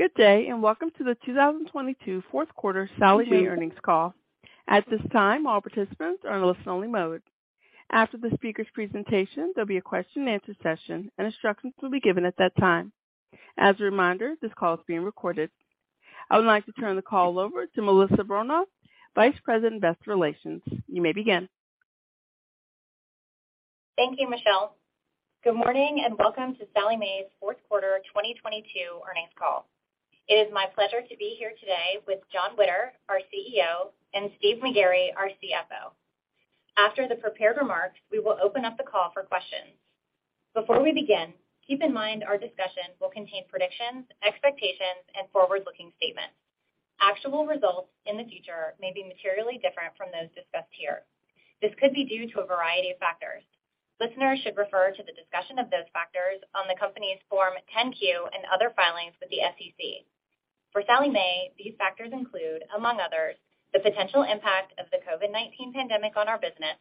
Good day. Welcome to the 2022 Fourth Quarter Sallie Mae Earnings Call. At this time, all participants are in a listen only mode. After the speaker's presentation, there'll be a question and answer session, instructions will be given at that time. As a reminder, this call is being recorded. I would like to turn the call over to Melissa Bronaugh, Vice President, Investor Relations. You may begin. Thank you, Michelle. Good morning, welcome to Sallie Mae's fourth quarter 2022 earnings call. It is my pleasure to be here today with Jon Witter, our CEO, and Steve McGarry, our CFO. After the prepared remarks, we will open up the call for questions. Before we begin, keep in mind our discussion will contain predictions, expectations, and forward-looking statements. Actual results in the future may be materially different from those discussed here. This could be due to a variety of factors. Listeners should refer to the discussion of those factors on the company's Form 10-Q and other filings with the SEC. For Sallie Mae, these factors include, among others, the potential impact of the COVID-19 pandemic on our business,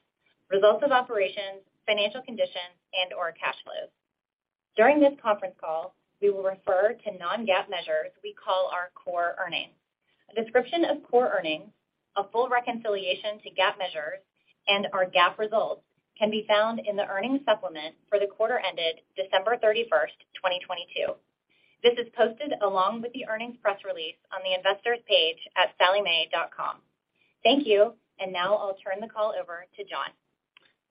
results of operations, financial conditions, and/or cash flows. During this conference call, we will refer to non-GAAP measures we call our core earnings. A description of core earnings, a full reconciliation to GAAP measures, and our GAAP results can be found in the earnings supplement for the quarter ended December 31, 2022. This is posted along with the earnings press release on the investor's page at salliemae.com. Thank you, and now I'll turn the call over to Jon.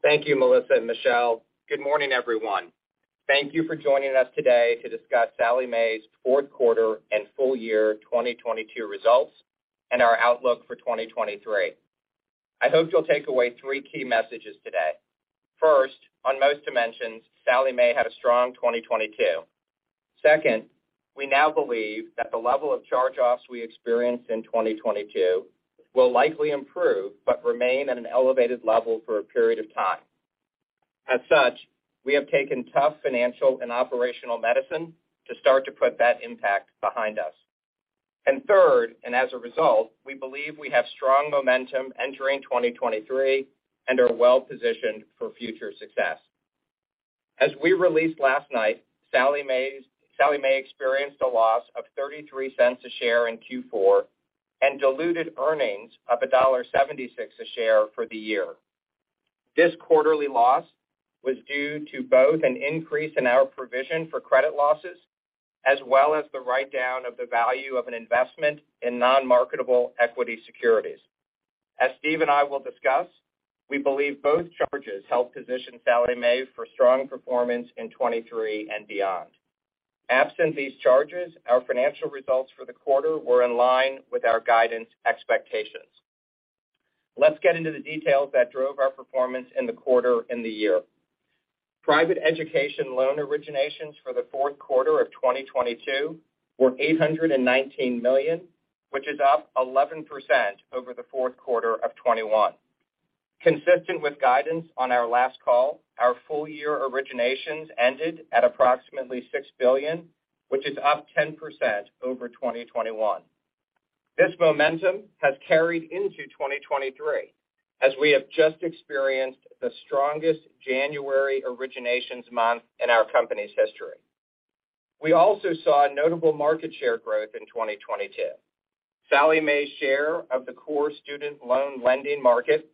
Thank you, Melissa and Michelle. Good morning, everyone. Thank you for joining us today to discuss Sallie Mae's fourth quarter and full year 2022 results and our outlook for 2023. I hope you'll take away three key messages today. First, on most dimensions, Sallie Mae had a strong 2022. Second, we now believe that the level of charge-offs we experienced in 2022 will likely improve but remain at an elevated level for a period of time. As such, we have taken tough financial and operational medicine to start to put that impact behind us. Third, as a result, we believe we have strong momentum entering 2023 and are well-positioned for future success. As we released last night, Sallie Mae experienced a loss of $0.33 a share in Q4 and diluted earnings of $1.76 a share for the year. This quarterly loss was due to both an increase in our provision for credit losses, as well as the write-down of the value of an investment in non-marketable equity securities. As Steve and I will discuss, we believe both charges help position Sallie Mae for strong performance in 2023 and beyond. Absent these charges, our financial results for the quarter were in line with our guidance expectations. Let's get into the details that drove our performance in the quarter and the year. Private education loan originations for the fourth quarter of 2022 were $819 million, which is up 11% over the fourth quarter of 2021. Consistent with guidance on our last call, our full year originations ended at approximately $6 billion, which is up 10% over 2021. This momentum has carried into 2023, as we have just experienced the strongest January originations month in our company's history. We also saw notable market share growth in 2022. Sallie Mae's share of the core student loan lending market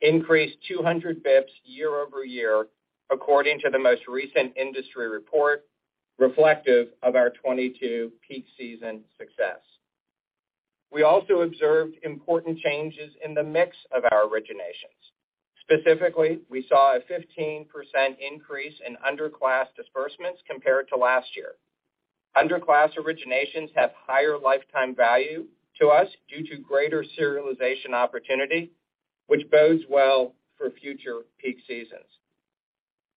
increased 200 bips year-over-year according to the most recent industry report reflective of our 2022 peak season success. We also observed important changes in the mix of our originations. Specifically, we saw a 15% increase in underclass disbursements compared to last year. Underclass originations have higher lifetime value to us due to greater serialization opportunity, which bodes well for future peak seasons.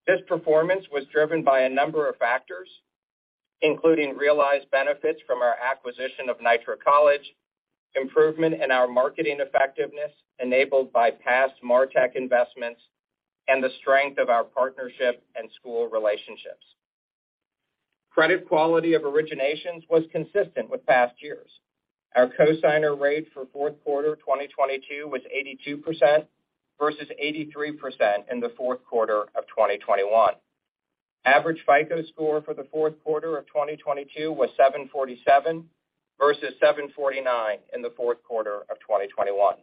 This performance was driven by a number of factors, including realized benefits from our acquisition of Nitro College, improvement in our marketing effectiveness enabled by past martech investments, and the strength of our partnership and school relationships. Credit quality of originations was consistent with past years. Our cosigner rate for fourth quarter 2022 was 82% versus 83% in the fourth quarter of 2021. Average FICO score for the fourth quarter of 2022 was 747 versus 749 in the fourth quarter of 2021.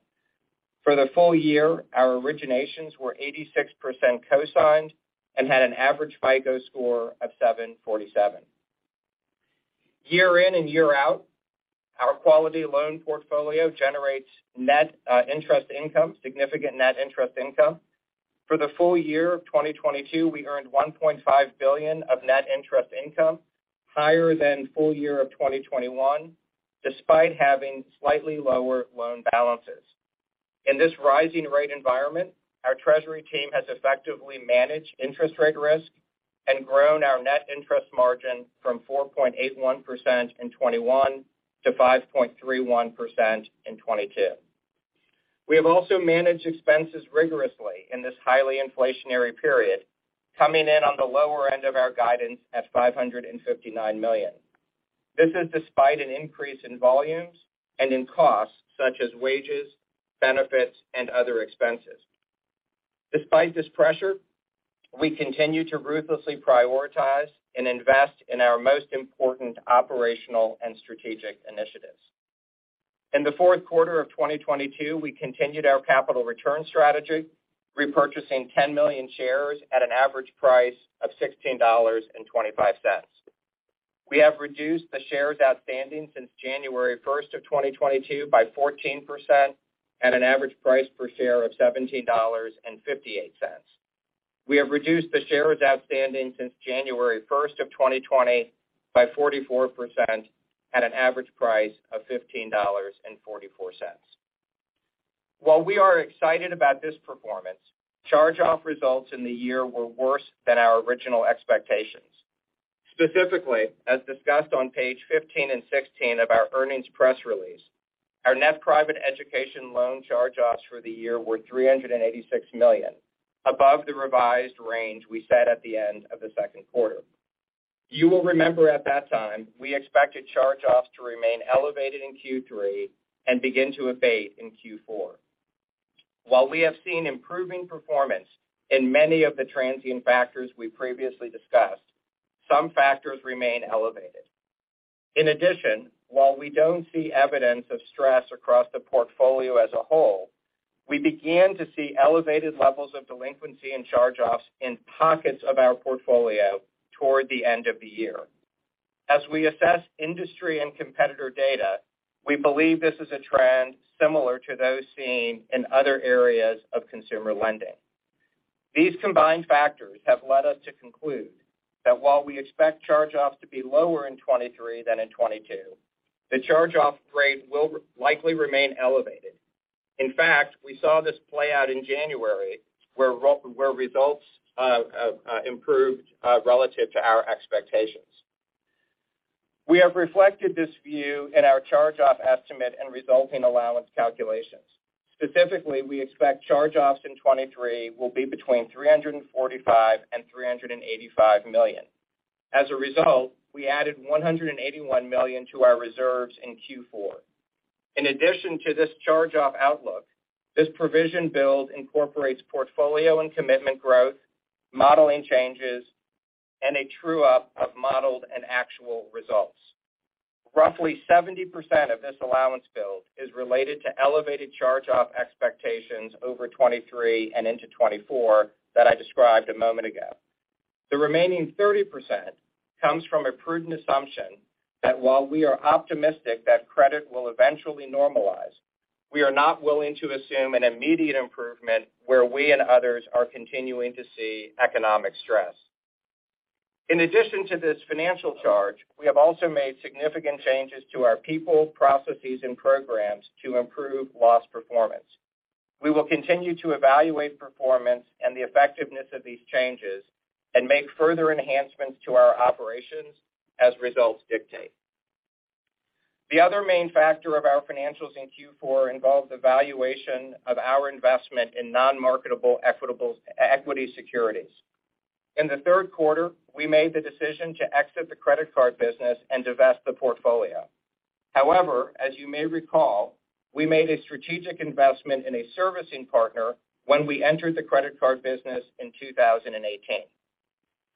For the full year, our originations were 86% cosigned and had an average FICO score of 747. Year in and year out, our quality loan portfolio generates net interest income, significant net interest income. For the full year of 2022, we earned $1.5 billion of net interest income, higher than full year of 2021, despite having slightly lower loan balances. In this rising rate environment, our treasury team has effectively managed interest rate risk and grown our net interest margin from 4.81% in 2021 to 5.31% in 2022. We have also managed expenses rigorously in this highly inflationary period, coming in on the lower end of our guidance at $559 million. This is despite an increase in volumes and in costs such as wages, benefits, and other expenses. Despite this pressure, we continue to ruthlessly prioritize and invest in our most important operational and strategic initiatives. In the fourth quarter of 2022, we continued our capital return strategy, repurchasing 10 million shares at an average price of $16.25. We have reduced the shares outstanding since January 1st of 2022 by 14% at an average price per share of $17.58. We have reduced the shares outstanding since January 1st of 2020 by 44% at an average price of $15.44. While we are excited about this performance, charge-off results in the year were worse than our original expectations. Specifically, as discussed on page 15 and 16 of our earnings press release, our net private education loan charge-offs for the year were $386 million, above the revised range we set at the end of the second quarter. You will remember at that time, we expected charge-offs to remain elevated in Q3 and begin to abate in Q4. While we have seen improving performance in many of the transient factors we previously discussed, some factors remain elevated. In addition, while we don't see evidence of stress across the portfolio as a whole, we began to see elevated levels of delinquency and charge-offs in pockets of our portfolio toward the end of the year. As we assess industry and competitor data, we believe this is a trend similar to those seen in other areas of consumer lending. These combined factors have led us to conclude that while we expect charge-offs to be lower in 2023 than in 2022, the charge-off rate will likely remain elevated. In fact, we saw this play out in January, where results improved relative to our expectations. We have reflected this view in our charge-off estimate and resulting allowance calculations. Specifically, we expect charge-offs in 2023 will be between $345 million and $385 million. We added $181 million to our reserves in Q4. This provision build incorporates portfolio and commitment growth, modeling changes, and a true up of modeled and actual results. Roughly 70% of this allowance build is related to elevated charge-off expectations over 2023 and into 2024 that I described a moment ago. The remaining 30% comes from a prudent assumption that while we are optimistic that credit will eventually normalize, we are not willing to assume an immediate improvement where we and others are continuing to see economic stress. We have also made significant changes to our people, processes, and programs to improve loss performance. We will continue to evaluate performance and the effectiveness of these changes and make further enhancements to our operations as results dictate. The other main factor of our financials in Q4 involves the valuation of our investment in non-marketable equity securities. In the third quarter, we made the decision to exit the credit card business and divest the portfolio. As you may recall, we made a strategic investment in a servicing partner when we entered the credit card business in 2018.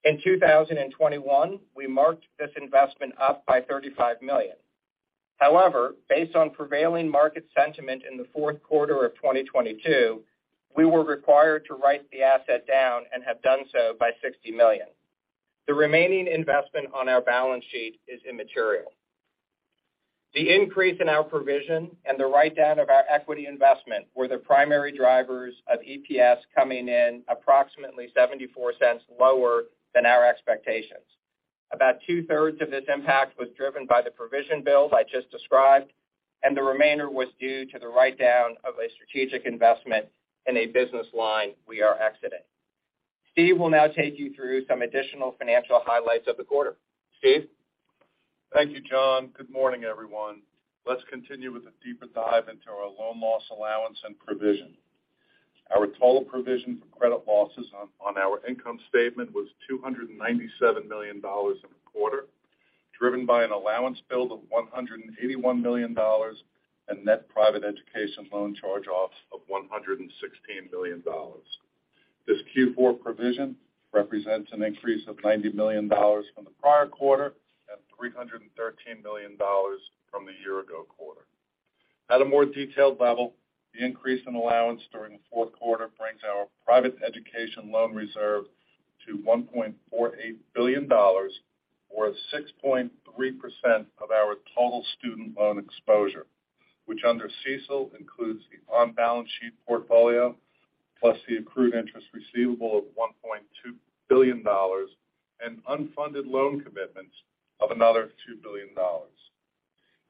In 2021, we marked this investment up by $35 million. Based on prevailing market sentiment in the fourth quarter of 2022, we were required to write the asset down and have done so by $60 million. The remaining investment on our balance sheet is immaterial. The increase in our provision and the write-down of our equity investment were the primary drivers of EPS coming in approximately $0.74 lower than our expectations. About two-thirds of this impact was driven by the provision build I just described, and the remainder was due to the write-down of a strategic investment in a business line we are exiting. Steve will now take you through some additional financial highlights of the quarter. Steve? Thank you, Jon. Good morning, everyone. Let's continue with a deeper dive into our loan loss allowance and provision. Our total provision for credit losses on our income statement was $297 million in the quarter, driven by an allowance build of $181 million and net private education loan charge-offs of $116 million. This Q4 provision represents an increase of $90 million from the prior quarter and $313 million from the year-ago quarter. At a more detailed level, the increase in allowance during the fourth quarter brings our private education loan reserve to $1.48 billion or 6.3% of our total student loan exposure, which under CECL includes the on-balance sheet portfolio, plus the accrued interest receivable of $1.2 billion and unfunded loan commitments of another $2 billion.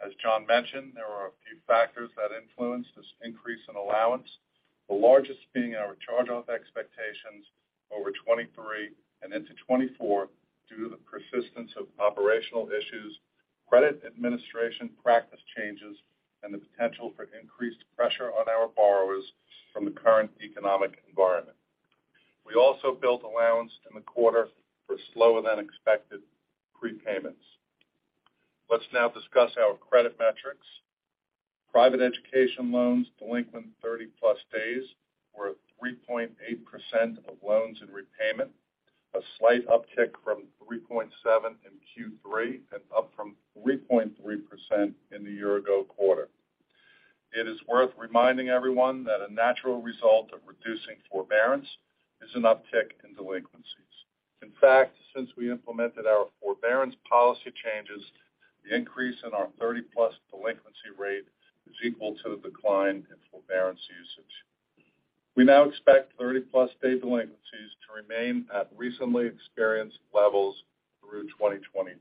As Jon mentioned, there are a few factors that influence this increase in allowance, the largest being our charge-off expectations over 2023 and into 2024 due to the persistence of operational issues, credit administration practice changes, and the potential for increased pressure on our borrowers from the current economic environment. We also built allowance in the quarter for slower than expected prepayments. Let's now discuss our credit metrics. Private education loans delinquent 30-plus days were 3.8% of loans in repayment, a slight uptick from 3.7% in Q3 and up from 3.3% in the year-ago quarter. It is worth reminding everyone that a natural result of reducing forbearance is an uptick in delinquencies. In fact, since we implemented our forbearance policy changes, the increase in our 30-plus delinquency rate is equal to the decline in forbearance usage. We now expect 30-plus day delinquencies to remain at recently experienced levels through 2023.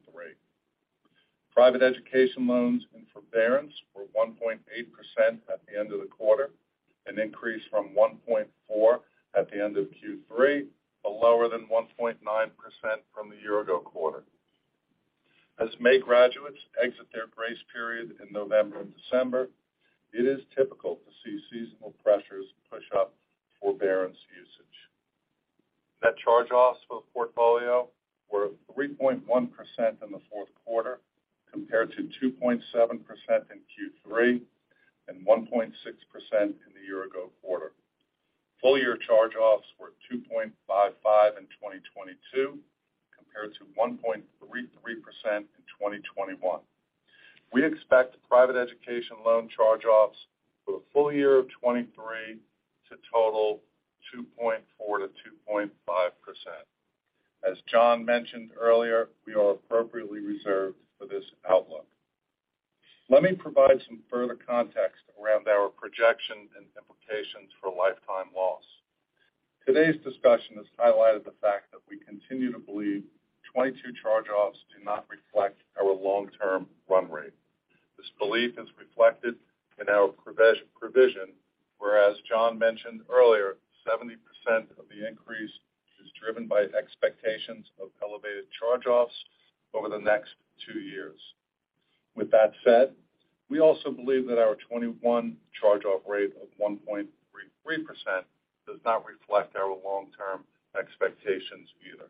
Private education loans in forbearance were 1.8% at the end of the quarter, an increase from 1.4% at the end of Q3, lower than 1.9% from the year-ago quarter. As May graduates exit their grace period in November and December, it is typical to see seasonal pressures push up forbearance usage. Net charge-offs for the portfolio were 3.1% in the fourth quarter, compared to 2.7% in Q3 and 1.6% in the year ago quarter. Full year charge-offs were 2.55 in 2022, compared to 1.33% in 2021. We expect private education loan charge-offs for the full year of 2023 to total 2.4%-2.5%. As Jon mentioned earlier, we are appropriately reserved for this outlook. Let me provide some further context around our projections and implications for lifetime loss. Today's discussion has highlighted the fact that we continue to believe 2022 charge-offs do not reflect our long-term run rate. This belief is reflected in our provision, whereas Jon mentioned earlier, 70% of the increase is driven by expectations of elevated charge-offs over the next two years. With that said, we also believe that our 2021 charge-off rate of 1.33% does not reflect our long-term expectations either.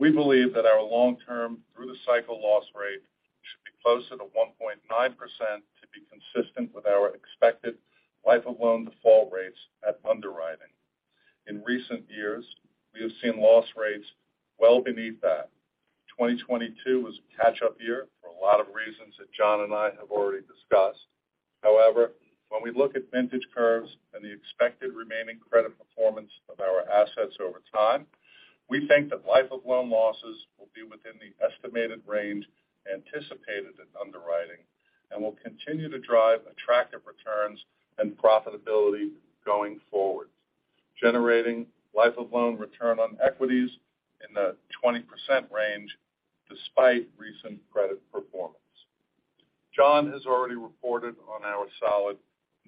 We believe that our long-term through-the-cycle loss rate should be closer to 1.9% to be consistent with our expected life of loan default rates at underwriting. In recent years, we have seen loss rates well beneath that. 2022 was a catch-up year for a lot of reasons that Jon and I have already discussed. When we look at vintage curves and the expected remaining credit performance of our assets over time, we think that life of loan losses will be within the estimated range anticipated at underwriting and will continue to drive attractive returns and profitability going forward, generating life of loan return on equities in the 20% range despite recent credit performance. Jon has already reported on our solid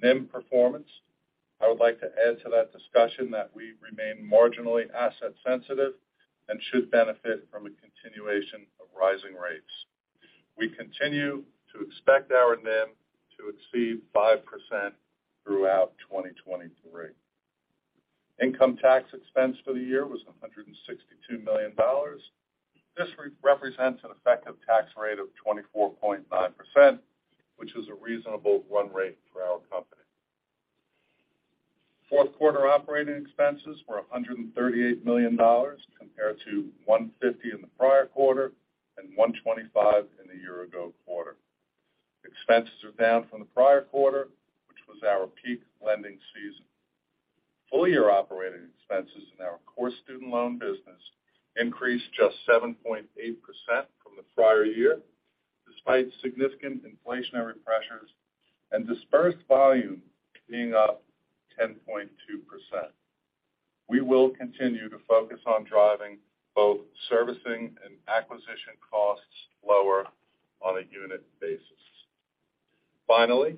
NIM performance. I would like to add to that discussion that we remain marginally asset sensitive and should benefit from a continuation of rising rates. We continue to expect our NIM to exceed 5% throughout 2023. Income tax expense for the year was $162 million. This re-represents an effective tax rate of 24.9%, which is a reasonable run rate for our company. Fourth quarter operating expenses were $138 million compared to $150 million in the prior quarter and $125 million in the year-ago quarter. Expenses are down from the prior quarter, which was our peak lending season. Full year operating expenses in our core student loan business increased just 7.8% from the prior year, despite significant inflationary pressures and dispersed volume being up 10.2%. We will continue to focus on driving both servicing and acquisition costs lower on a unit basis. Finally,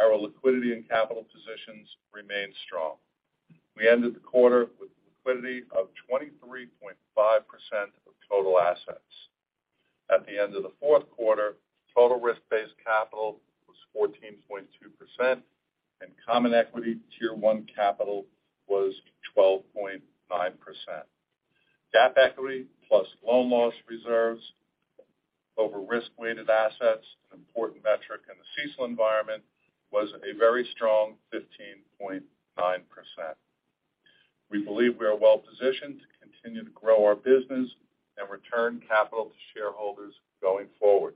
our liquidity and capital positions remain strong. We ended the quarter with liquidity of 23.5% of total assets. At the end of the fourth quarter, Total risk-based capital was 14.2%, and Common Equity Tier 1 capital was 12.9%. GAAP equity plus loan loss reserves over risk-weighted assets, an important metric in the CECL environment, was a very strong 15.9%. We believe we are well-positioned to continue to grow our business and return capital to shareholders going forward.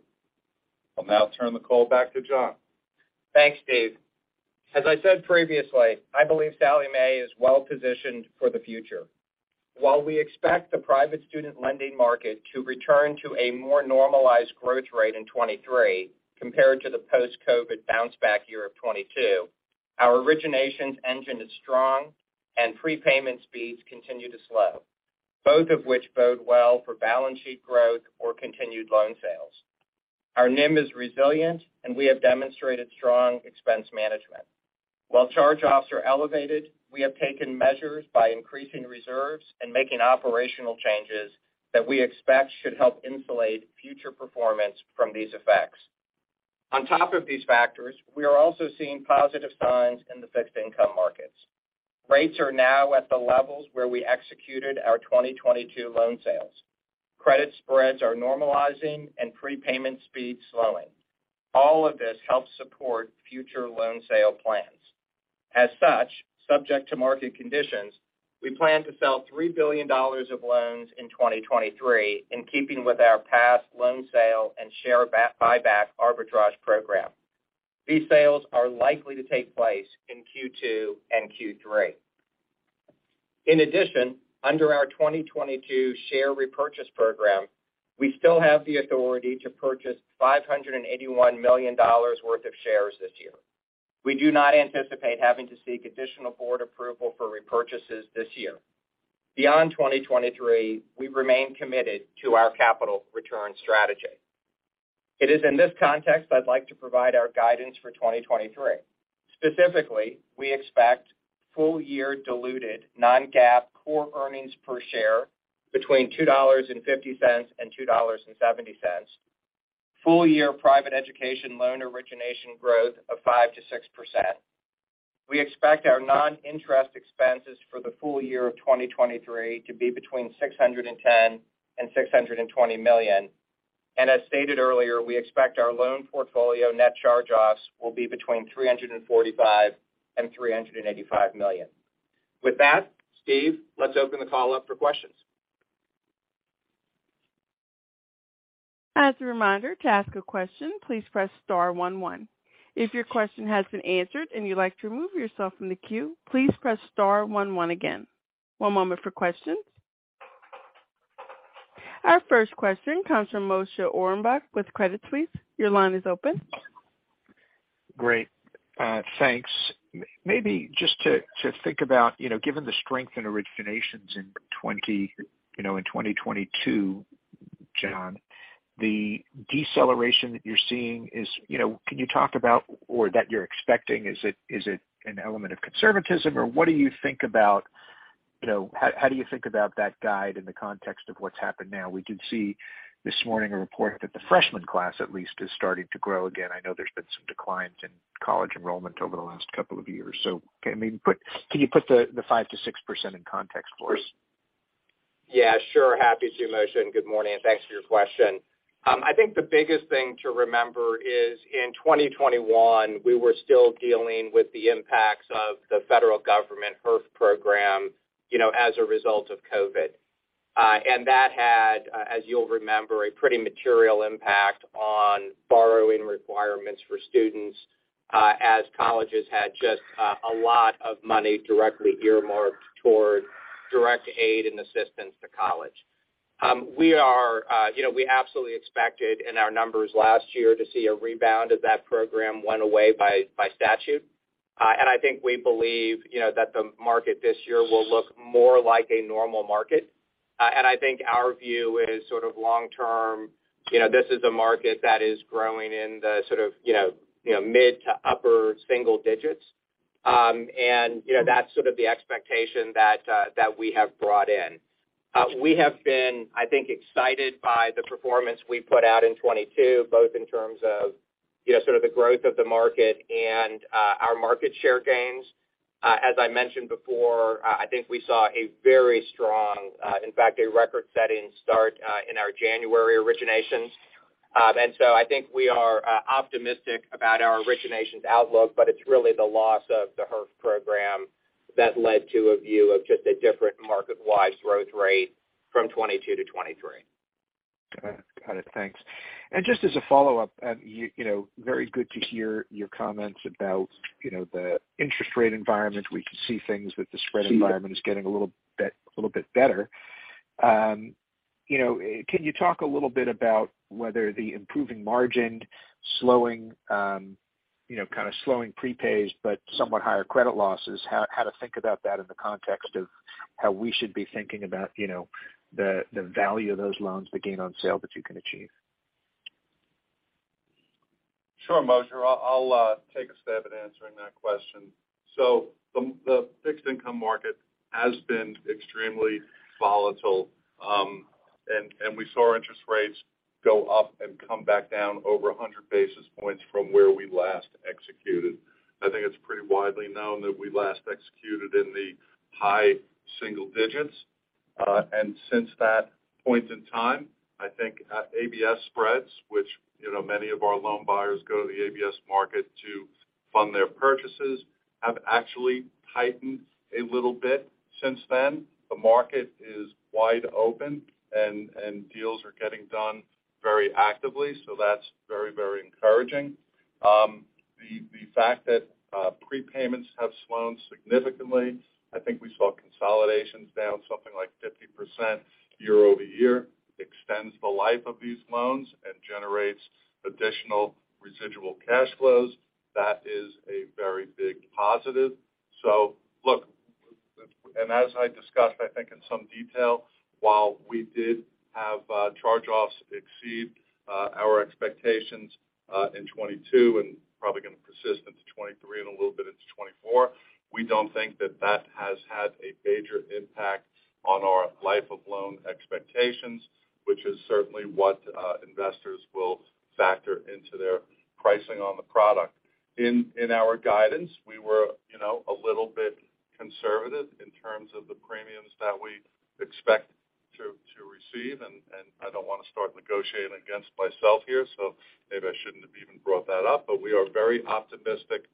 I'll now turn the call back to Jon. Thanks, Steve. As I said previously, I believe Sallie Mae is well-positioned for the future. While we expect the private student lending market to return to a more normalized growth rate in 2023 compared to the post-COVID bounce back year of 2022, our originations engine is strong and prepayment speeds continue to slow. Both of which bode well for balance sheet growth or continued loan sales. Our NIM is resilient, and we have demonstrated strong expense management. While charge-offs are elevated, we have taken measures by increasing reserves and making operational changes that we expect should help insulate future performance from these effects. On top of these factors, we are also seeing positive signs in the fixed income markets. Rates are now at the levels where we executed our 2022 loan sales. Credit spreads are normalizing and prepayment speed slowing. All of this helps support future loan sale plans. As such, subject to market conditions, we plan to sell $3 billion of loans in 2023, in keeping with our past loan sale and share buyback arbitrage program. These sales are likely to take place in Q2 and Q3. Under our 2022 share repurchase program, we still have the authority to purchase $581 million worth of shares this year. We do not anticipate having to seek additional board approval for repurchases this year. Beyond 2023, we remain committed to our capital return strategy. It is in this context I'd like to provide our guidance for 2023. Specifically, we expect full year diluted non-GAAP core earnings per share between $2.50 and $2.70. Full year private education loan origination growth of 5%-6%. We expect our non-interest expenses for the full year of 2023 to be between $610 million and $620 million. As stated earlier, we expect our loan portfolio Net Charge-Offs will be between $345 million and $385 million. With that, Steve, let's open the call up for questions. As a reminder, to ask a question, please press star one one. If your question has been answered and you'd like to remove yourself from the queue, please press star one one again. One moment for questions. Our first question comes from Moshe Orenbuch with Credit Suisse. Your line is open. Great. Thanks. Maybe just to think about, you know, given the strength in originations in 2022, Jon, the deceleration that you're seeing is, you know, can you talk about or that you're expecting, is it, is it an element of conservatism or what do you think about, you know, how do you think about that guide in the context of what's happened now? We did see this morning a report that the freshman class at least is starting to grow again. I know there's been some declines in college enrollment over the last couple of years. Can you put the 5%-6% in context for us? Yeah, sure. Happy to, Moshe. Good morning. Thanks for your question. I think the biggest thing to remember is in 2021, we were still dealing with the impacts of the federal government HEERF program, you know, as a result of COVID. That had, as you'll remember, a pretty material impact on borrowing requirements for students, as colleges had just a lot of money directly earmarked toward direct aid and assistance to college. We are, you know, we absolutely expected in our numbers last year to see a rebound as that program went away by statute. I think we believe, you know, that the market this year will look more like a normal market. I think our view is sort of long-term, you know, this is a market that is growing in the sort of, you know, mid to upper single digits. You know, that's sort of the expectation that we have brought in. We have been, I think, excited by the performance we put out in 2022, both in terms of, you know, sort of the growth of the market and our market share gains. As I mentioned before, I think we saw a very strong, in fact, a record-setting start in our January originations. I think we are optimistic about our originations outlook, but it's really the loss of the HEERF program that led to a view of just a different market-wide growth rate from 2022 to 2023. Got it. Thanks. Just as a follow-up, you know, very good to hear your comments about, you know, the interest rate environment. We can see things with the spread environment is getting a little bit better. You know, can you talk a little bit about whether the improving margin slowing, you know, kind of slowing prepays, but somewhat higher credit losses, how to think about that in the context of how we should be thinking about, you know, the value of those loans, the gain on sale that you can achieve? Sure, Moshe. I'll take a stab at answering that question. The fixed income market has been extremely volatile, and we saw interest rates go up and come back down over 100 basis points from where we last executed. I think it's pretty widely known that we last executed in the high single digits. Since that point in time, I think ABS spreads, which, you know, many of our loan buyers go to the ABS market to fund their purchases, have actually tightened a little bit since then. The market is wide open and deals are getting done very actively, that's very, very encouraging. The fact that prepayments have slowed significantly, I think we saw consolidations down something like 50% year-over-year, extends the life of these loans and generates additional residual cash flows. That is a very big positive. Look, and as I discussed, I think in some detail, while we did have charge offs exceed our expectations in 2022 and a little bit into 2024. We don't think that that has had a major impact on our life-of-loan expectations, which is certainly what investors will factor into their pricing on the product. In our guidance, we were, you know, a little bit conservative in terms of the premiums that we expect to receive. And I don't wanna start negotiating against myself here, so maybe I shouldn't have even brought that up. We are very optimistic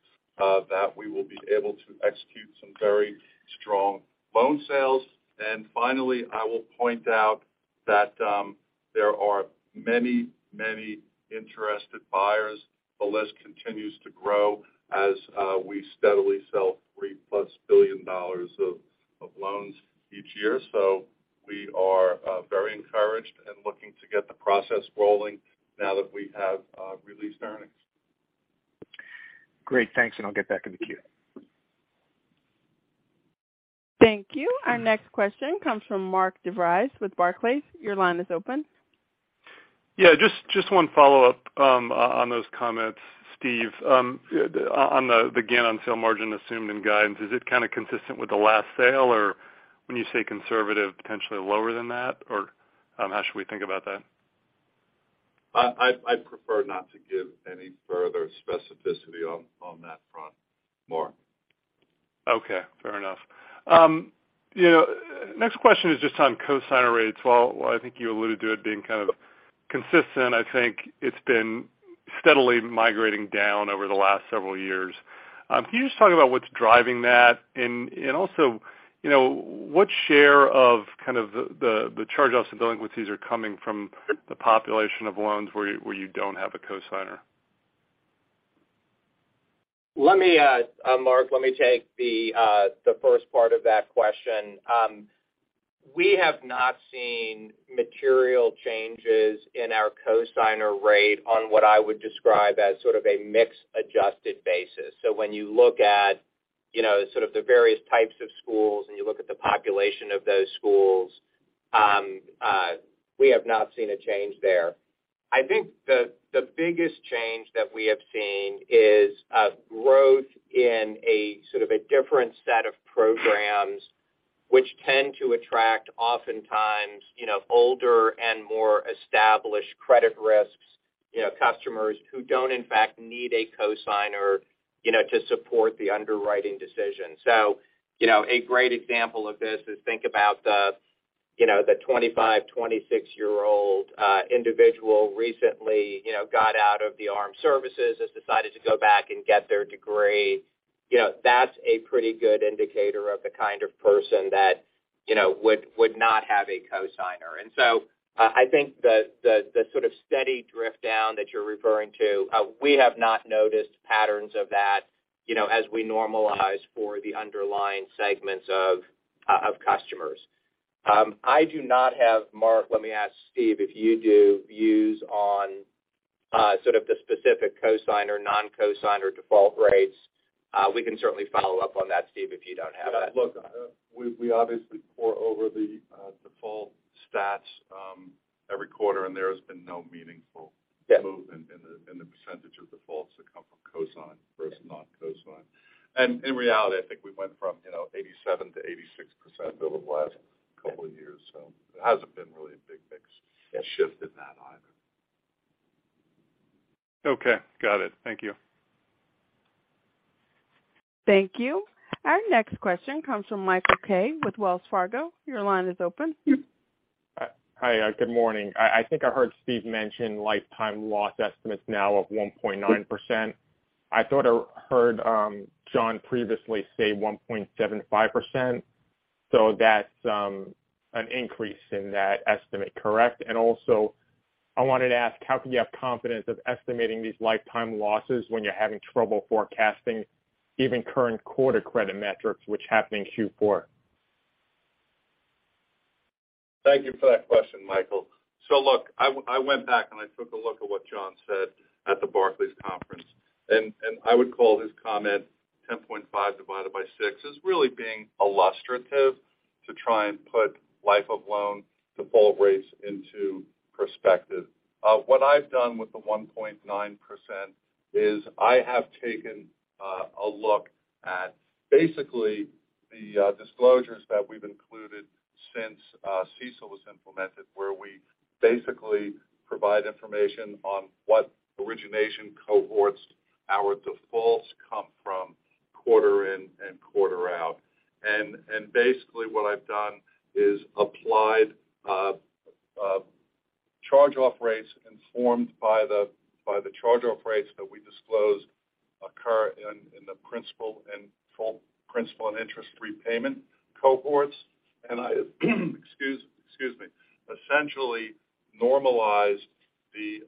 that we will be able to execute some very strong loan sales. Finally, I will point out that there are many interested buyers. The list continues to grow as we steadily sell $3+ billion of loans each year. We are very encouraged and looking to get the process rolling now that we have released earnings. Great. Thanks, I'll get back in the queue. Thank you. Our next question comes from Mark DeVries with Barclays. Your line is open. Yeah, just one follow-up, on those comments, Steve. On the gain on sale margin assumed in guidance, is it kind of consistent with the last sale? When you say conservative, potentially lower than that? How should we think about that? I'd prefer not to give any further specificity on that front, Mark. Okay, fair enough. You know, next question is just on cosigner rates. While I think you alluded to it being kind of consistent, I think it's been steadily migrating down over the last several years. Can you just talk about what's driving that? Also, you know, what share of kind of the charge-offs and delinquencies are coming from the population of loans where you don't have a cosigner? Let me, Mark, let me take the first part of that question. We have not seen material changes in our cosigner rate on what I would describe as sort of a mix-adjusted basis. When you look at, you know, sort of the various types of schools, and you look at the population of those schools, we have not seen a change there. I think the biggest change that we have seen is growth in a sort of a different set of programs which tend to attract oftentimes, you know, older and more established credit risks, you know, customers who don't in fact need a cosigner, you know, to support the underwriting decision. You know, a great example of this is think about the, you know, the 25, 26-year-old individual recently, you know, got out of the armed services, has decided to go back and get their degree. You know, that's a pretty good indicator of the kind of person that, you know, would not have a cosigner. I think the sort of steady drift down that you're referring to, we have not noticed patterns of that, you know, as we normalize for the underlying segments of customers. I do not have, Mark, let me ask Steve if you do, views on sort of the specific cosigner/non-cosigner default rates. We can certainly follow up on that, Steve, if you don't have it. Yeah. Look, we obviously pour over the default stats every quarter, and there has been no meaningful- Yeah movement in the, in the percentage of defaults that come from cosign versus non-cosign. In reality, I think we went from, you know, 87% to 86% over the last couple of years. There hasn't been really a big shift in that either. Okay. Got it. Thank you. Thank you. Our next question comes from Michael Kaye with Wells Fargo. Your line is open. Hi. Good morning. I think I heard Steve mention lifetime loss estimates now of 1.9%. I thought I heard Jon previously say 1.75%, so that's an increase in that estimate, correct? Also, I wanted to ask, how can you have confidence of estimating these lifetime losses when you're having trouble forecasting even current quarter credit metrics which happened in Q4? Thank you for that question, Michael. Look, I went back, and I took a look at what Jon said at the Barclays conference. I would call his comment, 10.5 divided by six, as really being illustrative to try and put life-of-loan default rates into perspective. What I've done with the 1.9% is I have taken a look at basically the disclosures that we've included since CECL was implemented, where we basically provide information on what origination cohorts our defaults come from quarter in and quarter out. Basically what I've done is applied charge-off rates informed by the by the charge-off rates that we disclose occur in the principal and full principal and interest repayment cohorts. I excuse me, essentially normalized the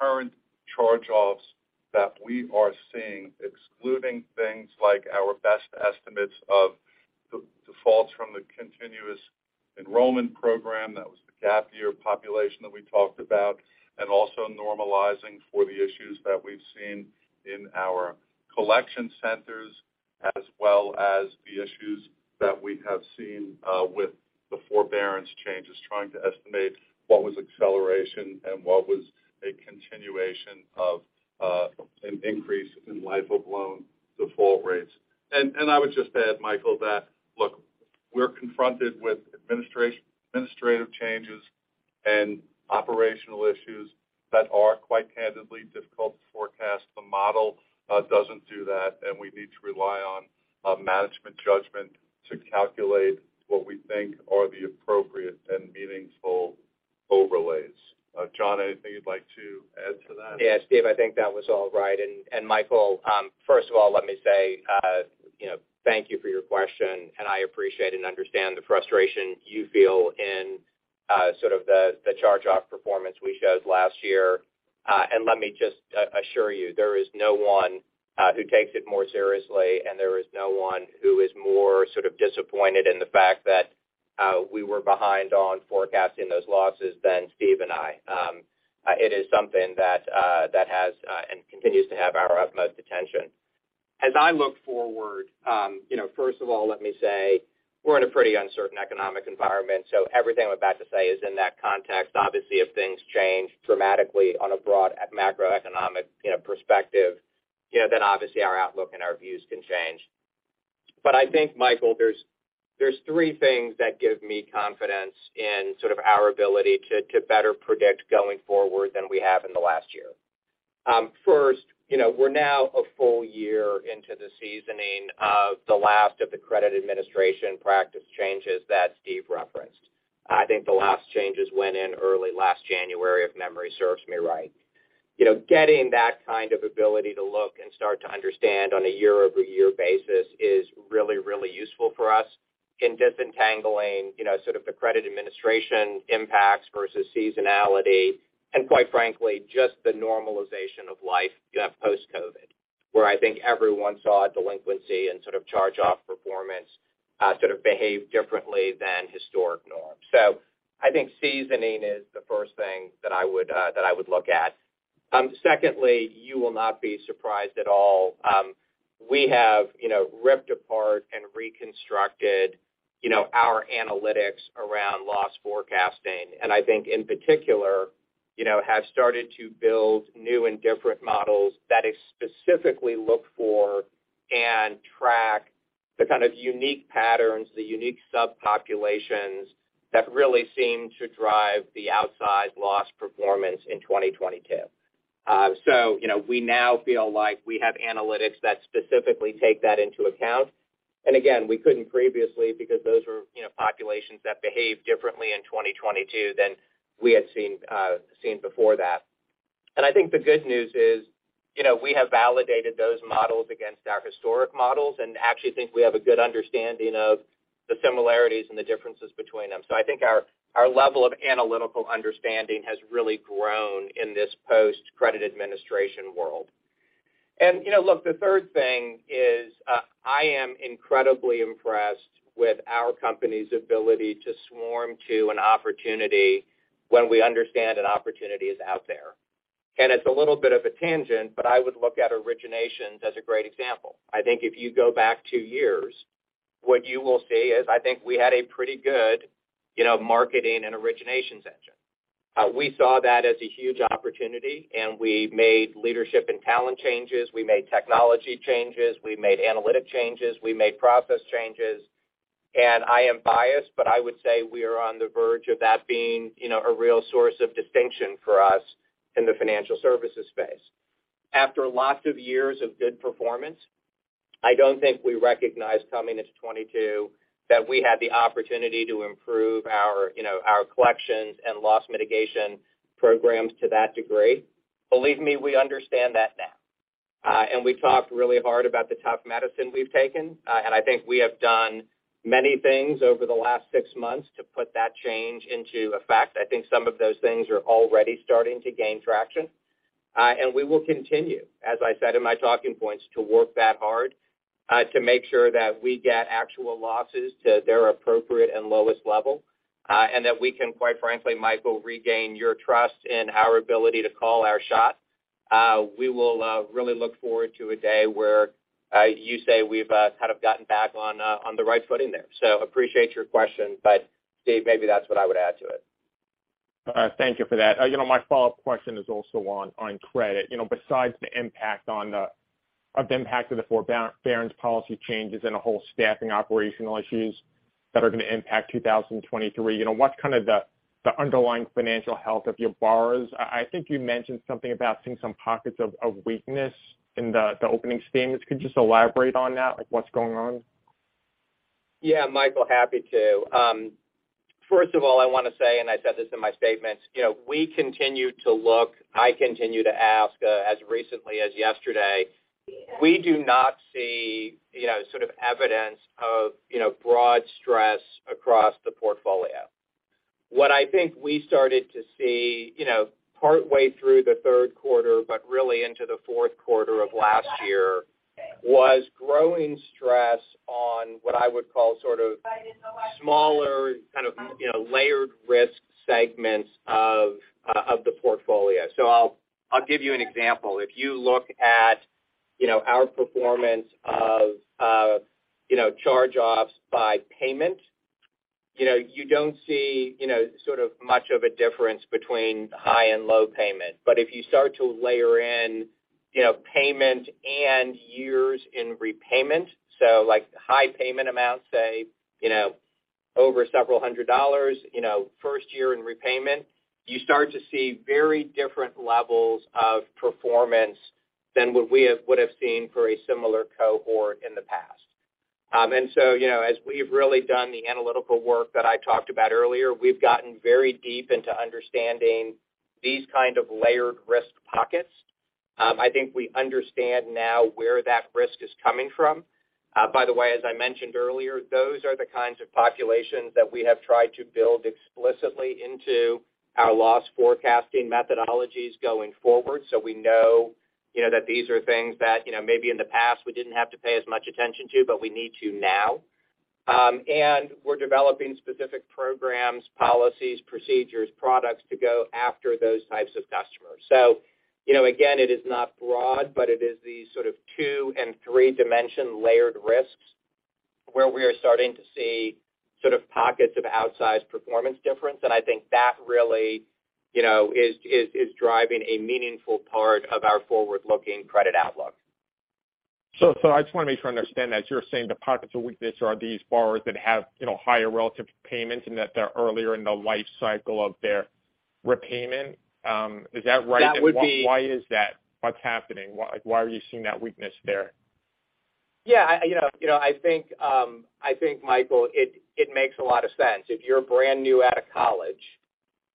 current charge-offs that we are seeing, excluding things like our best estimates of defaults from the continuous enrollment program. That was the gap year population that we talked about. As well as normalizing for the issues that we've seen in our collection centers. As well as the issues that we have seen with the forbearance changes, trying to estimate what was acceleration and what was a continuation of an increase in life of loan default rates. I would just add, Michael, that, look, we're confronted with administrative changes and operational issues that are, quite candidly, difficult to forecast. The model doesn't do that, and we need to rely on management judgment to calculate what we think are the appropriate and meaningful overlays. Jon, anything you'd like to add to that? Yeah, Steve, I think that was all right. Michael, first of all, let me say, you know, thank you for your question, and I appreciate and understand the frustration you feel in sort of the charge-off performance we showed last year. Let me just assure you, there is no one who takes it more seriously, and there is no one who is more sort of disappointed in the fact that we were behind on forecasting those losses than Steve and I. It is something that has and continues to have our utmost attention. As I look forward, you know, first of all, let me say we're in a pretty uncertain economic environment, everything I'm about to say is in that context. Obviously, if things change dramatically on a broad macroeconomic, you know, perspective, you know, then obviously, our outlook and our views can change. I think, Michael, there's three things that give me confidence in sort of our ability to better predict going forward than we have in the last year. First, you know, we're now a full year into the seasoning of the last of the credit administration practice changes that Steve referenced. I think the last changes went in early last January, if memory serves me right. You know, getting that kind of ability to look and start to understand on a year-over-year basis is really, really useful for us in disentangling, you know, sort of the credit administration impacts versus seasonality. Quite frankly, just the normalization of life you have post-COVID, where I think everyone saw delinquency and sort of charge-off performance, sort of behave differently than historic norms. I think seasoning is the first thing that I would look at. Secondly, you will not be surprised at all. We have, you know, ripped apart and reconstructed, you know, our analytics around loss forecasting. I think in particular, you know, have started to build new and different models that specifically look for and track the kind of unique patterns, the unique subpopulations that really seem to drive the outsized loss performance in 2022. So, you know, we now feel like we have analytics that specifically take that into account. Again, we couldn't previously because those were, you know, populations that behaved differently in 2022 than we had seen before that. I think the good news is, you know, we have validated those models against our historic models and actually think we have a good understanding of the similarities and the differences between them. I think our level of analytical understanding has really grown in this post-credit administration world. You know, look, the third thing is, I am incredibly impressed with our company's ability to swarm to an opportunity when we understand an opportunity is out there. It's a little bit of a tangent, but I would look at originations as a great example. I think if you go back two years, what you will see is I think we had a pretty good, you know, marketing and originations engine. We saw that as a huge opportunity, we made leadership and talent changes. We made technology changes. We made analytic changes. We made process changes. I am biased, but I would say we are on the verge of that being, you know, a real source of distinction for us in the financial services space. After lots of years of good performance, I don't think we recognized coming into 2022 that we had the opportunity to improve our, you know, our collections and loss mitigation programs to that degree. Believe me, we understand that now. We've talked really hard about the tough medicine we've taken. I think we have done many things over the last six months to put that change into effect. I think some of those things are already starting to gain traction. We will continue, as I said in my talking points, to work that hard to make sure that we get actual losses to their appropriate and lowest level. That we can, quite frankly, Michael, regain your trust in our ability to call our shot. We will really look forward to a day where you say we've kind of gotten back on on the right foot in there. Appreciate your question. Steve, maybe that's what I would add to it. All right. Thank you for that. You know, my follow-up question is also on credit. You know, besides the impact of the impact of the forbearance policy changes and the whole staffing operational issues that are going to impact 2023. You know, what's kind of the underlying financial health of your borrowers? I think you mentioned something about seeing some pockets of weakness in the opening statements. Could you just elaborate on that? Like what's going on? Yeah, Michael, happy to. first of all, I want to say, and I said this in my statements, you know, we continue to look, I continue to ask, as recently as yesterday. We do not see, you know, sort of evidence of, you know, broad stress across the portfolio. What I think we started to see, you know, partway through the third quarter, but really into the fourth quarter of last year, was growing stress on what I would call sort of smaller, kind of, you know, layered risk segments of the portfolio. I'll give you an example. If you look at, you know, our performance of, you know, charge-offs by payment, you know, you don't see, you know, sort of much of a difference between high and low payment. If you start to layer in, you know, payment and years in repayment, so like high payment amounts say, you know, over several hundred dollars, you know, first year in repayment. You start to see very different levels of performance than what we would have seen for a similar cohort in the past. You know, as we've really done the analytical work that I talked about earlier, we've gotten very deep into understanding these kind of layered risk pockets. I think we understand now where that risk is coming from. By the way, as I mentioned earlier, those are the kinds of populations that we have tried to build explicitly into our loss forecasting methodologies going forward. We know, you know, that these are things that, you know, maybe in the past we didn't have to pay as much attention to, but we need to now. We're developing specific programs, policies, procedures, products to go after those types of customers. You know, again, it is not broad, but it is these sort of two and three-dimension layered risks where we are starting to see sort of pockets of outsized performance difference. I think that really, you know, is, is driving a meaningful part of our forward-looking credit outlook. I just want to make sure I understand that. You're saying the pockets of weakness are these borrowers that have, you know, higher relative payments and that they're earlier in the life cycle of their repayment. Is that right? That would. Why is that? What's happening? Why are you seeing that weakness there? You know, you know, I think, I think, Michael, it makes a lot of sense. If you're brand new out of college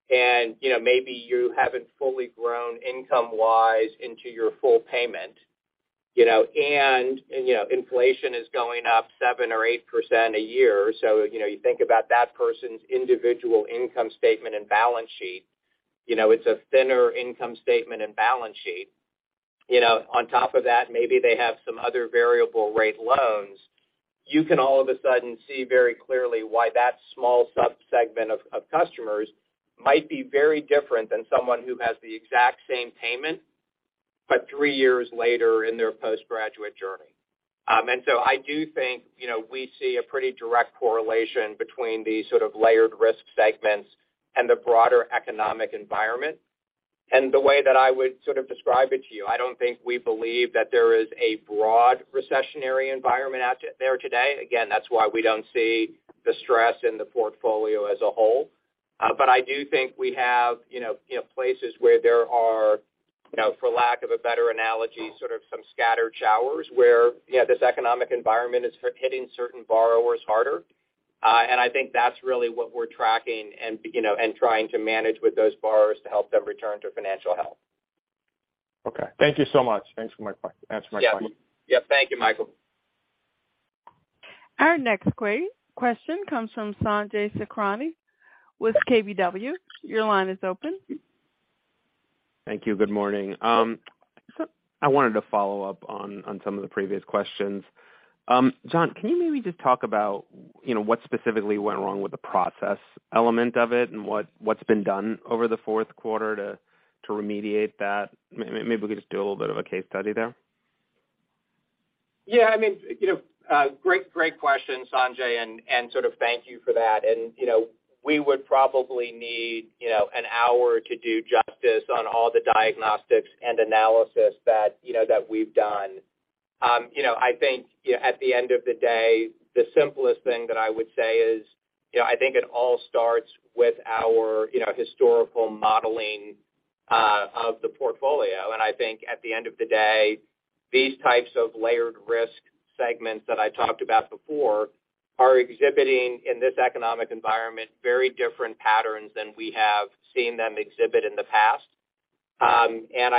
and, you know, maybe you haven't fully grown income-wise into your full payment, you know, and, you know, inflation is going up 7% or 8% a year. You know, you think about that person's individual income statement and balance sheet, you know, it's a thinner income statement and balance sheet. You know, on top of that, maybe they have some other variable rate loans. You can all of a sudden see very clearly why that small subsegment of customers might be very different than someone who has the exact same payment but three years later in their postgraduate journey. I do think, you know, we see a pretty direct correlation between these sort of layered risk segments and the broader economic environment. The way that I would sort of describe it to you, I don't think we believe that there is a broad recessionary environment out there today. Again, that's why we don't see the stress in the portfolio as a whole. I do think we have, you know, places where there are, you know, for lack of a better analogy, sort of some scattered showers where, you know, this economic environment is hitting certain borrowers harder. I think that's really what we're tracking and, you know, and trying to manage with those borrowers to help them return to financial health. Okay. Thank you so much. Thanks for answering my question. Yeah. Thank you, Michael. Our next question comes from Sanjay Sakhrani with KBW. Your line is open. Thank you. Good morning. I wanted to follow up on some of the previous questions. Jon, can you maybe just talk about, you know, what specifically went wrong with the process element of it and what's been done over the fourth quarter to remediate that? Maybe we could just do a little bit of a case study there. Yeah, I mean, you know, great question, Sanjay, and sort of thank you for that. You know, we would probably need, you know, 1 hour to do justice on all the diagnostics and analysis that, you know, that we've done. You know, I think, you know, at the end of the day, the simplest thing that I would say is, you know, I think it all starts with our, you know, historical modeling of the portfolio. I think at the end of the day, these types of layered risk segments that I talked about before are exhibiting, in this economic environment, very different patterns than we have seen them exhibit in the past.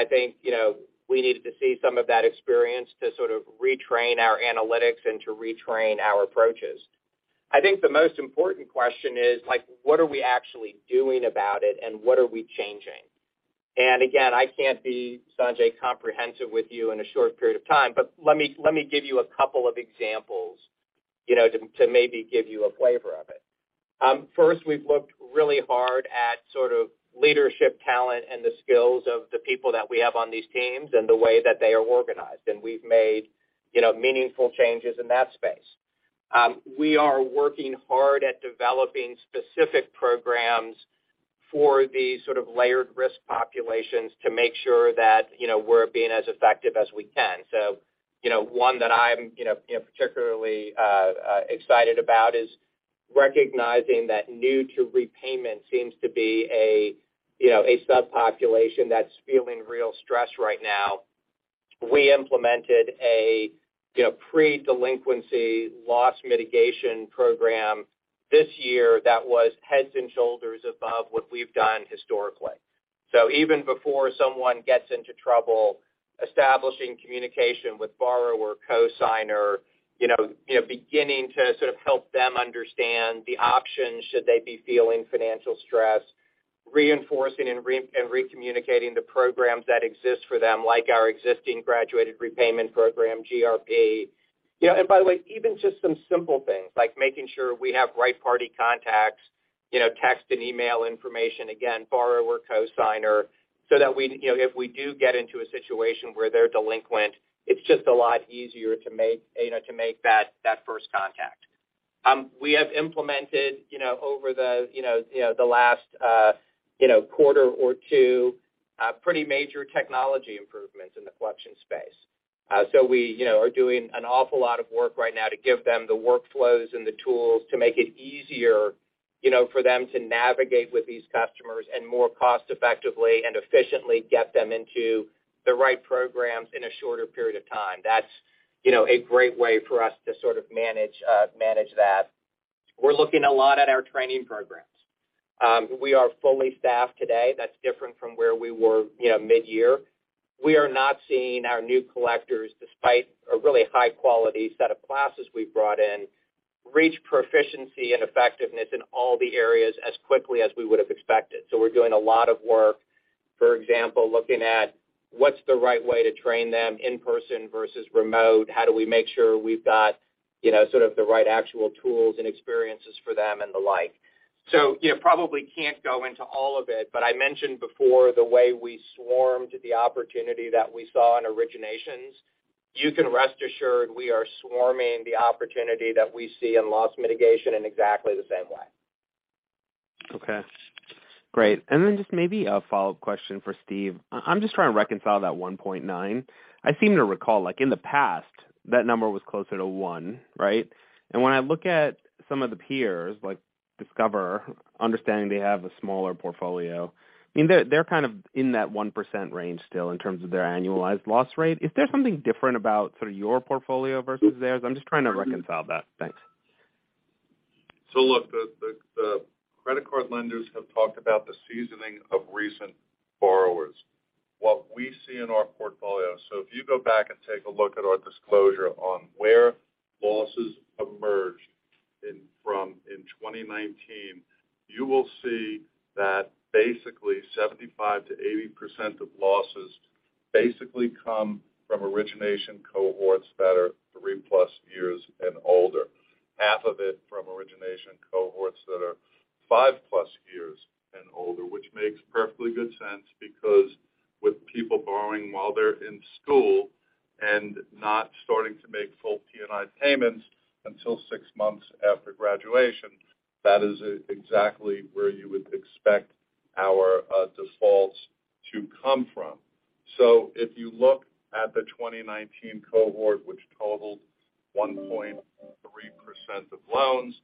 I think, you know, we needed to see some of that experience to sort of retrain our analytics and to retrain our approaches. I think the most important question is like, what are we actually doing about it and what are we changing? Again, I can't be, Sanjay, comprehensive with you in a short period of time, but let me give you a couple of examples, you know, to maybe give you a flavor of it. First, we've looked really hard at sort of leadership talent and the skills of the people that we have on these teams and the way that they are organized, and we've made, you know, meaningful changes in that space. We are working hard at developing specific programs for these sort of layered risk populations to make sure that, you know, we're being as effective as we can. You know, one that I'm, you know, particularly excited about is recognizing that new to repayment seems to be a, you know, a subpopulation that's feeling real stress right now. We implemented a, you know, pre-delinquency loss mitigation program this year that was heads and shoulders above what we've done historically. Even before someone gets into trouble establishing communication with borrower, cosigner, you know, beginning to sort of help them understand the options should they be feeling financial stress, reinforcing and re-communicating the programs that exist for them, like our existing Graduated Repayment Period, GRP. Yeah. By the way, even just some simple things like making sure we have right party contacts, you know, text and email information, again, borrower, cosigner, so that we, you know, if we do get into a situation where they're delinquent, it's just a lot easier to make, you know, to make that first contact. We have implemented, you know, over the, you know, the last, you know, quarter or two, pretty major technology improvements in the collection space. So we, you know, are doing an awful lot of work right now to give them the workflows and the tools to make it easier, you know, for them to navigate with these customers and more cost-effectively and efficiently get them into the right programs in a shorter period of time. That's, you know, a great way for us to sort of manage that. We're looking a lot at our training programs. We are fully staffed today. That's different from where we were, you know, midyear. We are not seeing our new collectors, despite a really high quality set of classes we've brought in, reach proficiency and effectiveness in all the areas as quickly as we would have expected. We're doing a lot of work, for example, looking at what's the right way to train them in person versus remote? How do we make sure we've got, you know, sort of the right actual tools and experiences for them and the like. You know, probably can't go into all of it, but I mentioned before the way we swarmed the opportunity that we saw in originations. You can rest assured we are swarming the opportunity that we see in loss mitigation in exactly the same way. Okay, great. Then just maybe a follow-up question for Steve. I'm just trying to reconcile that 1.9. I seem to recall, like in the past, that number was closer to one, right? When I look at some of the peers, like Discover, understanding they have a smaller portfolio, I mean, they're kind of in that 1% range still in terms of their annualized loss rate. Is there something different about sort of your portfolio versus theirs? I'm just trying to reconcile that. Thanks. Look, the credit card lenders have talked about the seasoning of recent borrowers. What we see in our portfolio if you go back and take a look at our disclosure on where losses emerged in 2019, you will see that basically 75%-80% of losses basically come from origination cohorts that are three plus years and older, half of it from origination cohorts that are five plus years and older. Which makes perfectly good sense because with people borrowing while they're in school and not starting to make full P&I payments until six months after graduation, that is exactly where you would expect our defaults to come from. If you look at the 2019 cohort, which totaled 1.3% of loans,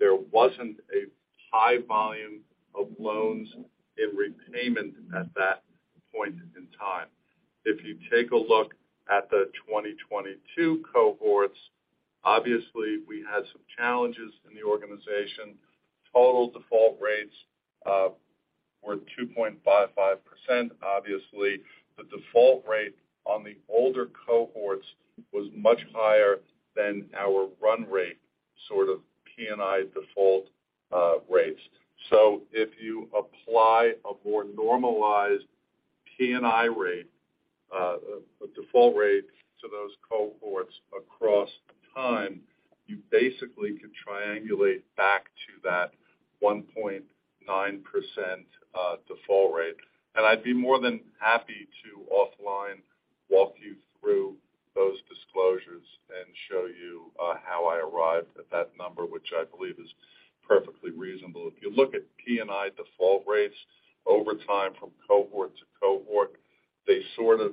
there wasn't a high volume of loans in repayment at that point in time. If you take a look at the 2022 cohorts, obviously we had some challenges in the organization. Total default rates, were 2.55%. Obviously, the default rate on the older cohorts was much higher than our run rate, sort of P&I default, rates. If you apply a more normalized P&I rate, a default rate to those cohorts across time, you basically can triangulate back to that 1.9%, default rate. I'd be more than happy to offline walk you through those disclosures and show you, how I arrived at that number, which I believe is perfectly reasonable. If you look at P&I default rates over time from cohort to cohort, they sort of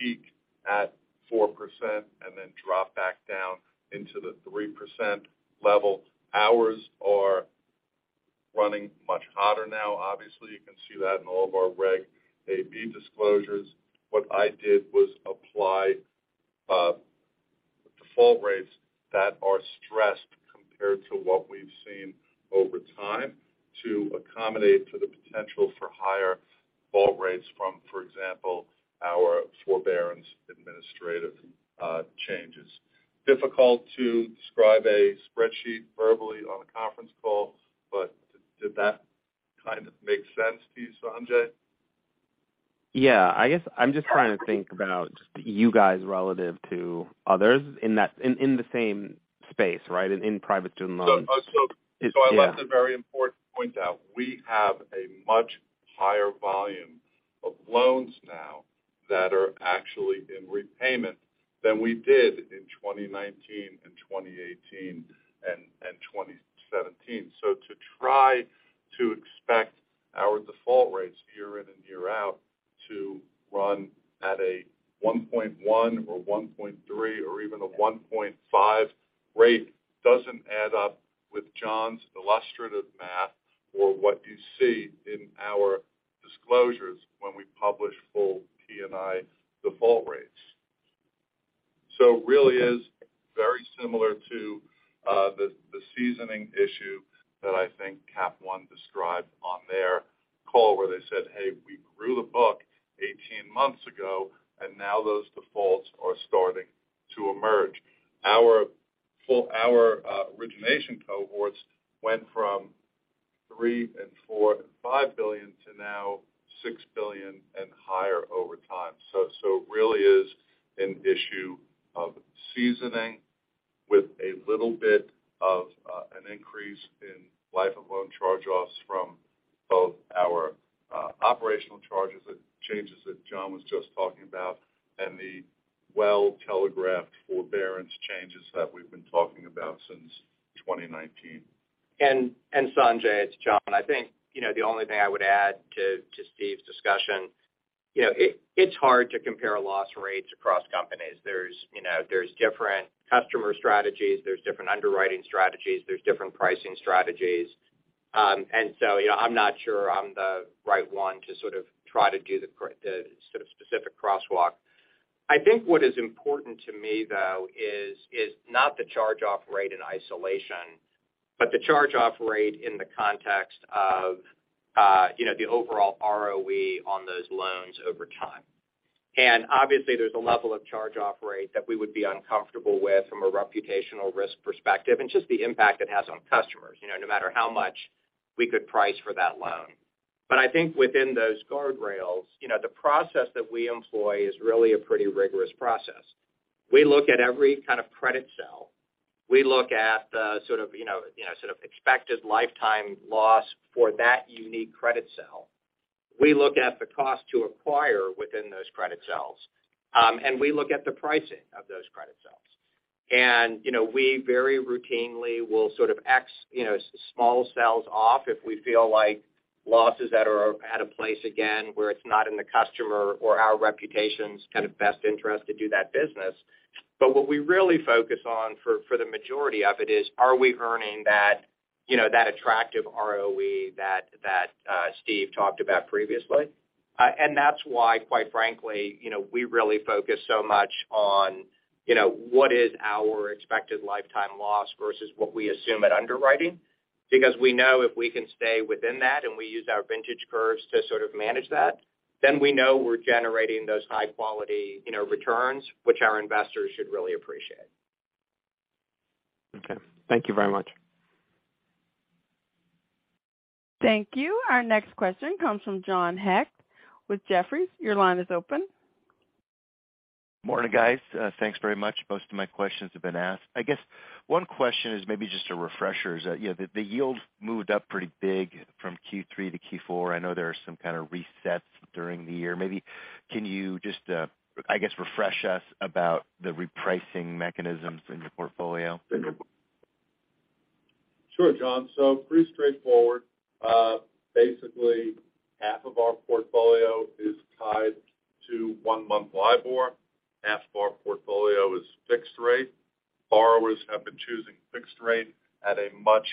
peak at 4% and then drop back down into the 3% level. Ours are running much hotter now. Obviously, you can see that in all of our Regulation AB disclosures. What I did was apply default rates that are stressed compared to what we've seen over time to accommodate for the potential for higher default rates from, for example, our forbearance administrative changes. Difficult to describe a spreadsheet verbally on a conference call, did that kind of make sense to you, Sanjay? Yeah. I guess I'm just trying to think about just you guys relative to others in the same space, right? In private student loans. So, so- Yeah. I left a very important point out. We have a much higher volume of loans now that are actually in repayment than we did in 2019 and 2018 and 2017. To try to expect our default rates year in and year out to run at a 1.1 or 1.3 or even a 1.5 rate doesn't add up with Jon's illustrative math or what you see in our disclosures when we publish full P&I default rates. It really is very similar to the seasoning issue that I think Capital One described on their call where they said, "Hey, we grew the book 18 months ago, and now those defaults are starting to emerge." Our origination cohorts went from $3 billion and $4 billion and $5 billion to now $6 billion and higher over time. It really is an issue of seasoning with a little bit of an increase in life of loan charge-offs from both our operational changes that Jon was just talking about and the well-telegraphed forbearance changes that we've been talking about since 2019. Sanjay, it's Jon. I think, you know, the only thing I would add to Steve's discussion, you know, it's hard to compare loss rates across companies. There's, you know, there's different customer strategies, there's different underwriting strategies, there's different pricing strategies. You know, I'm not sure I'm the right one to sort of try to do the sort of specific crosswalk. I think what is important to me, though, is not the charge-off rate in isolation, but the charge-off rate in the context of, you know, the overall ROE on those loans over time. Obviously, there's a level of charge-off rate that we would be uncomfortable with from a reputational risk perspective and just the impact it has on customers, you know, no matter how much we could price for that loan. I think within those guardrails, you know, the process that we employ is really a pretty rigorous process. We look at every kind of credit cell. We look at the sort of, you know, sort of expected lifetime loss for that unique credit cell. We look at the cost to acquire within those credit cells. We look at the pricing of those credit cells. You know, we very routinely will sort of X, you know, small cells off if we feel like losses that are at a place, again, where it's not in the customer or our reputation's kind of best interest to do that business. What we really focus on for the majority of it is, are we earning that, you know, that attractive ROE that Steve talked about previously? That's why, quite frankly, you know, we really focus so much on, you know, what is our expected lifetime loss versus what we assume at underwriting. We know if we can stay within that, and we use our vintage curves to sort of manage that, then we know we're generating those high quality, you know, returns, which our investors should really appreciate. Okay. Thank you very much. Thank you. Our next question comes from John Hecht with Jefferies. Your line is open. Morning, guys. Thanks very much. Most of my questions have been asked. I guess one question is maybe just a refresher is that, you know, the yield moved up pretty big from Q3 to Q4. I know there are some kind of resets during the year. Maybe can you just, I guess, refresh us about the repricing mechanisms in your portfolio? Sure, John. Pretty straightforward. Basically, half of our portfolio is tied to one-month LIBOR. Half of our portfolio is fixed rate. Borrowers have been choosing fixed rate at a much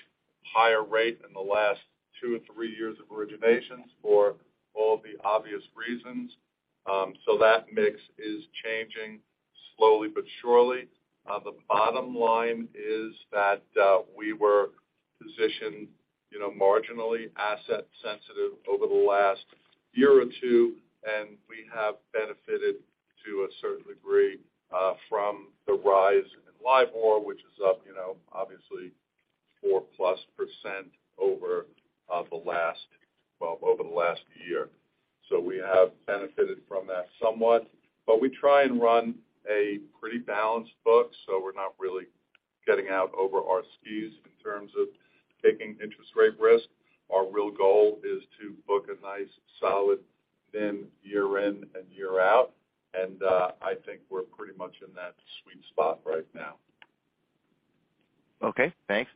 higher rate in the last two or three years of originations for all the obvious reasons. That mix is changing slowly but surely. The bottom line is that, we were positioned, you know, marginally asset sensitive over the last year or two, and we have benefited to a certain degree, from the rise in LIBOR, which is up, you know, obviously 4+% over the last year. We have benefited from that somewhat, but we try and run a pretty balanced book, so we're not really getting out over our skis in terms of taking interest rate risk. Our real goal is to book a nice, solid NIM year in and year out. I think we're pretty much in that sweet spot right now. Okay, thanks.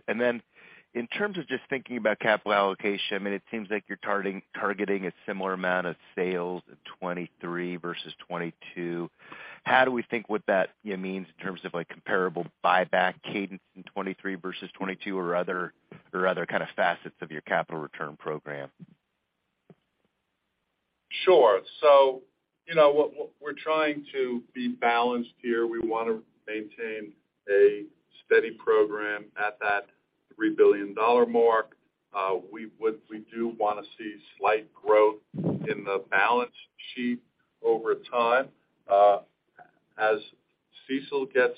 In terms of just thinking about capital allocation, I mean, it seems like you're targeting a similar amount of sales in 2023 versus 2022. How do we think what that, you know, means in terms of like comparable buyback cadence in 2023 versus 2022 or other kind of facets of your capital return program? Sure. You know, what we're trying to be balanced here. We wanna maintain a steady program at that $3 billion mark. We do wanna see slight growth in the balance sheet over time. As CECL gets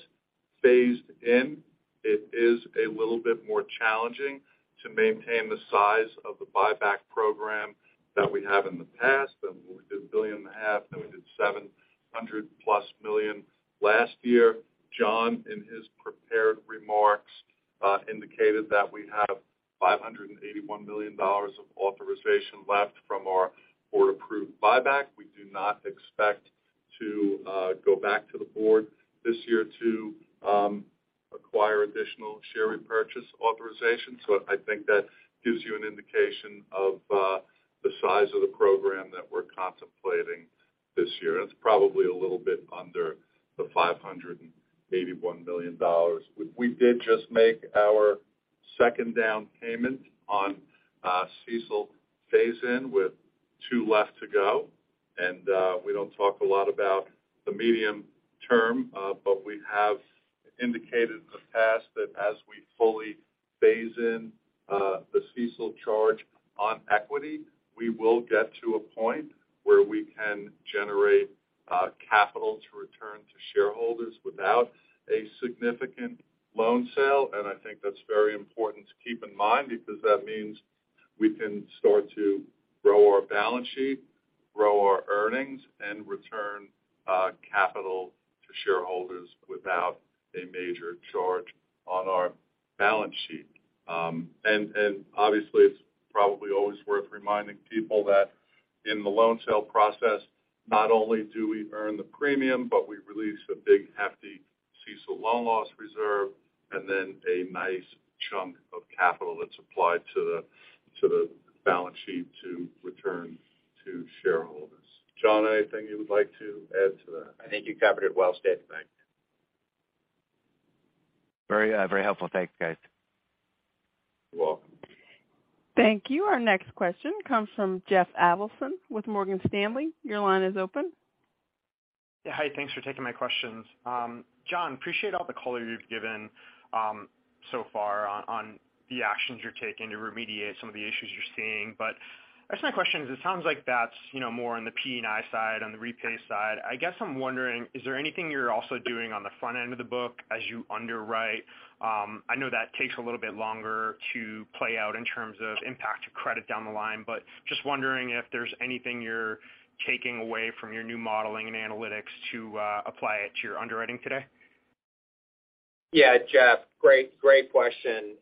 phased in, it is a little bit more challenging to maintain the size of the buyback program that we have in the past. We did a billion and a half, then we did $700+ million last year. John, in his prepared remarks, indicated that we have $581 million of authorization left from our board-approved buyback. We do not expect to go back to the board this year to acquire additional share repurchase authorization. I think that gives you an indication of the size of the program that we're contemplating this year. That's probably a little bit under the $581 million. We did just make our second down payment on CECL phase in with 2 left to go. We don't talk a lot about the medium term, but we have indicated in the past that as we fully phase in the CECL charge on equity, we will get to a point where we can generate capital to return to shareholders without a significant loan sale. I think that's very important to keep in mind because that means we can start to grow our balance sheet, grow our earnings, and return capital to shareholders without a major charge on our balance sheet. Obviously, it's probably always worth reminding people that in the loan sale process, not only do we earn the premium, but we release a big, hefty CECL loan loss reserve and then a nice chunk of capital that's applied to the balance sheet to return to shareholders. Jon, anything you would like to add to that? I think you covered it well, Steve. Thanks. Very, very helpful. Thanks, guys. You're welcome. Thank you. Our next question comes from Jeff Adelson with Morgan Stanley. Your line is open. Yeah, hi. Thanks for taking my questions. Jon, appreciate all the color you've given so far on the actions you're taking to remediate some of the issues you're seeing. I guess my question is, it sounds like that's, you know, more on the P&I side, on the repay side. I guess I'm wondering, is there anything you're also doing on the front end of the book as you underwrite? I know that takes a little bit longer to play out in terms of impact to credit down the line, but just wondering if there's anything you're taking away from your new modeling and analytics to apply it to your underwriting today. Yeah, Jeff, great question.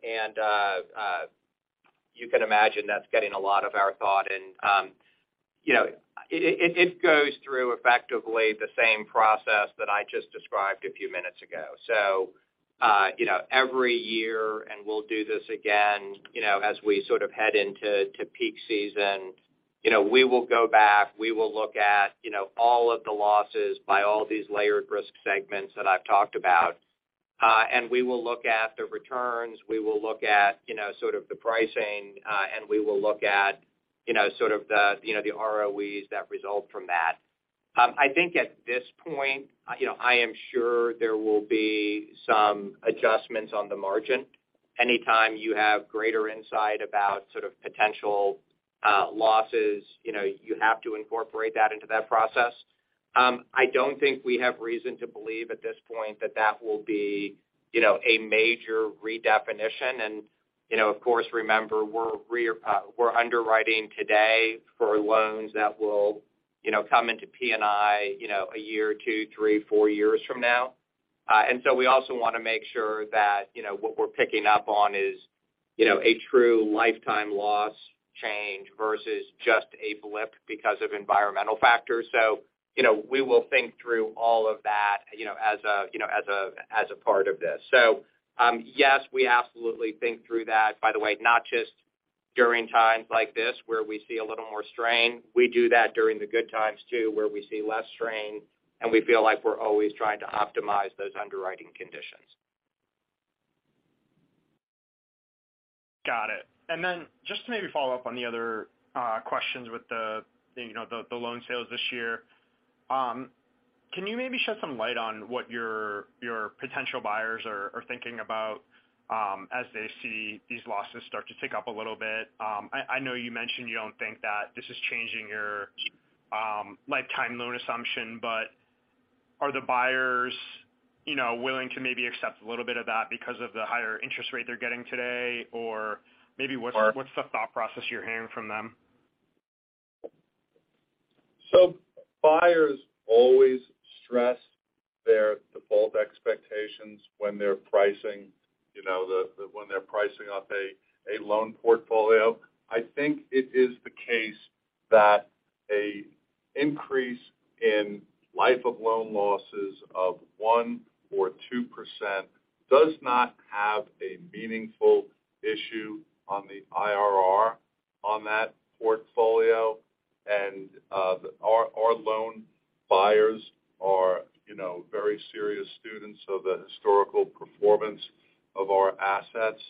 You can imagine that's getting a lot of our thought. You know, it goes through effectively the same process that I just described a few minutes ago. You know, every year, and we'll do this again, you know, as we sort of head into peak season, you know, we will go back. We will look at, you know, all of the losses by all these layered risk segments that I've talked about. We will look at the returns. We will look at, you know, sort of the pricing. We will look at, you know, sort of the ROEs that result from that. I think at this point, you know, I am sure there will be some adjustments on the margin. Anytime you have greater insight about sort of potential, losses, you know, you have to incorporate that into that process. I don't think we have reason to believe at this point that that will be, you know, a major redefinition. You know, of course, remember, we're underwriting today for loans that will, you know, come into P&I, you know, one year, two, three, four years from now. We also wanna make sure that, you know, what we're picking up on is, you know, a true lifetime loss change versus just a blip because of environmental factors. You know, we will think through all of that, you know, as a, you know, as a part of this. Yes, we absolutely think through that, by the way, not just during times like this where we see a little more strain. We do that during the good times too, where we see less strain, and we feel like we're always trying to optimize those underwriting conditions. Got it. Just to maybe follow up on the other questions with the, you know, the loan sales this year, can you maybe shed some light on what your potential buyers are thinking about as they see these losses start to tick up a little bit? I know you mentioned you don't think that this is changing your lifetime loan assumption, but are the buyers, you know, willing to maybe accept a little bit of that because of the higher interest rate they're getting today? What's the thought process you're hearing from them? Buyers always stress their default expectations when they're pricing, you know, when they're pricing up a loan portfolio. I think it is the case that a increase in life of loan losses of 1% or 2% does not have a meaningful issue on the IRR on that portfolio. Our loan buyers are, you know, very serious students of the historical performance of our assets,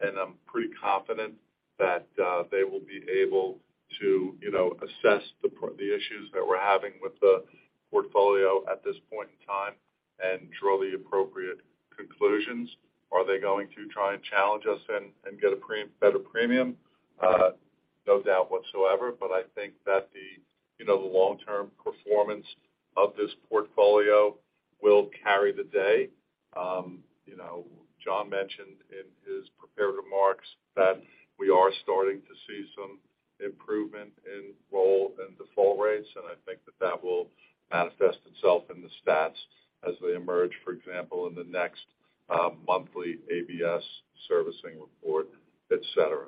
and I'm pretty confident that they will be able to, you know, assess the issues that we're having with the portfolio at this point in time and draw the appropriate conclusions. Are they going to try and challenge us and get a better premium? No doubt whatsoever, I think that the, you know, the long-term performance of this portfolio will carry the day. You know, Jon mentioned in his prepared remarks that we are starting to see some improvement in roll and default rates, and I think that that will manifest itself in the stats as they emerge, for example, in the next monthly ABS servicing report, et cetera.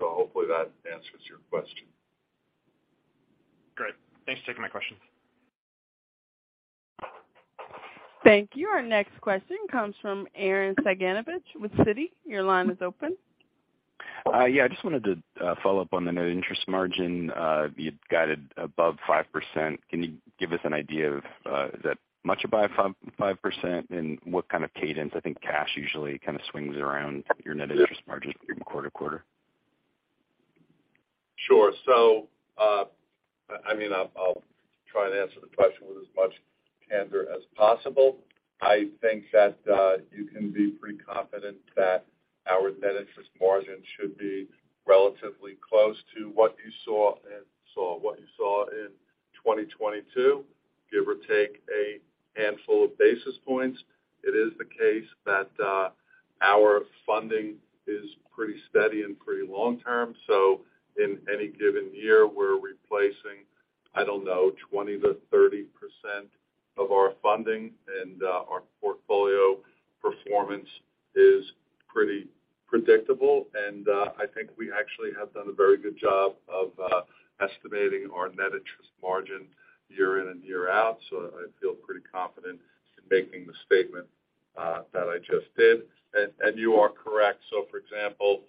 Hopefully that answers your question. Great. Thanks for taking my questions. Thank you. Our next question comes from Arren Cyganovich with Citi. Your line is open. Yeah, I just wanted to follow up on the net interest margin. You guided above 5%. Can you give us an idea of, is that much above 5%? What kind of cadence, I think, cash usually kind of swings around your net interest margin from quarter-to-quarter? Sure. I mean, I'll try and answer the question with candor as possible. I think that you can be pretty confident that our net interest margin should be relatively close to what you saw in 2022, give or take a handful of basis points. It is the case that our funding is pretty steady and pretty long-term. In any given year, we're replacing, I don't know, 20%-30% of our funding, and our portfolio performance is pretty predictable. I think we actually have done a very good job of estimating our net interest margin year in and year out. I feel pretty confident in making the statement that I just did. You are correct. For example,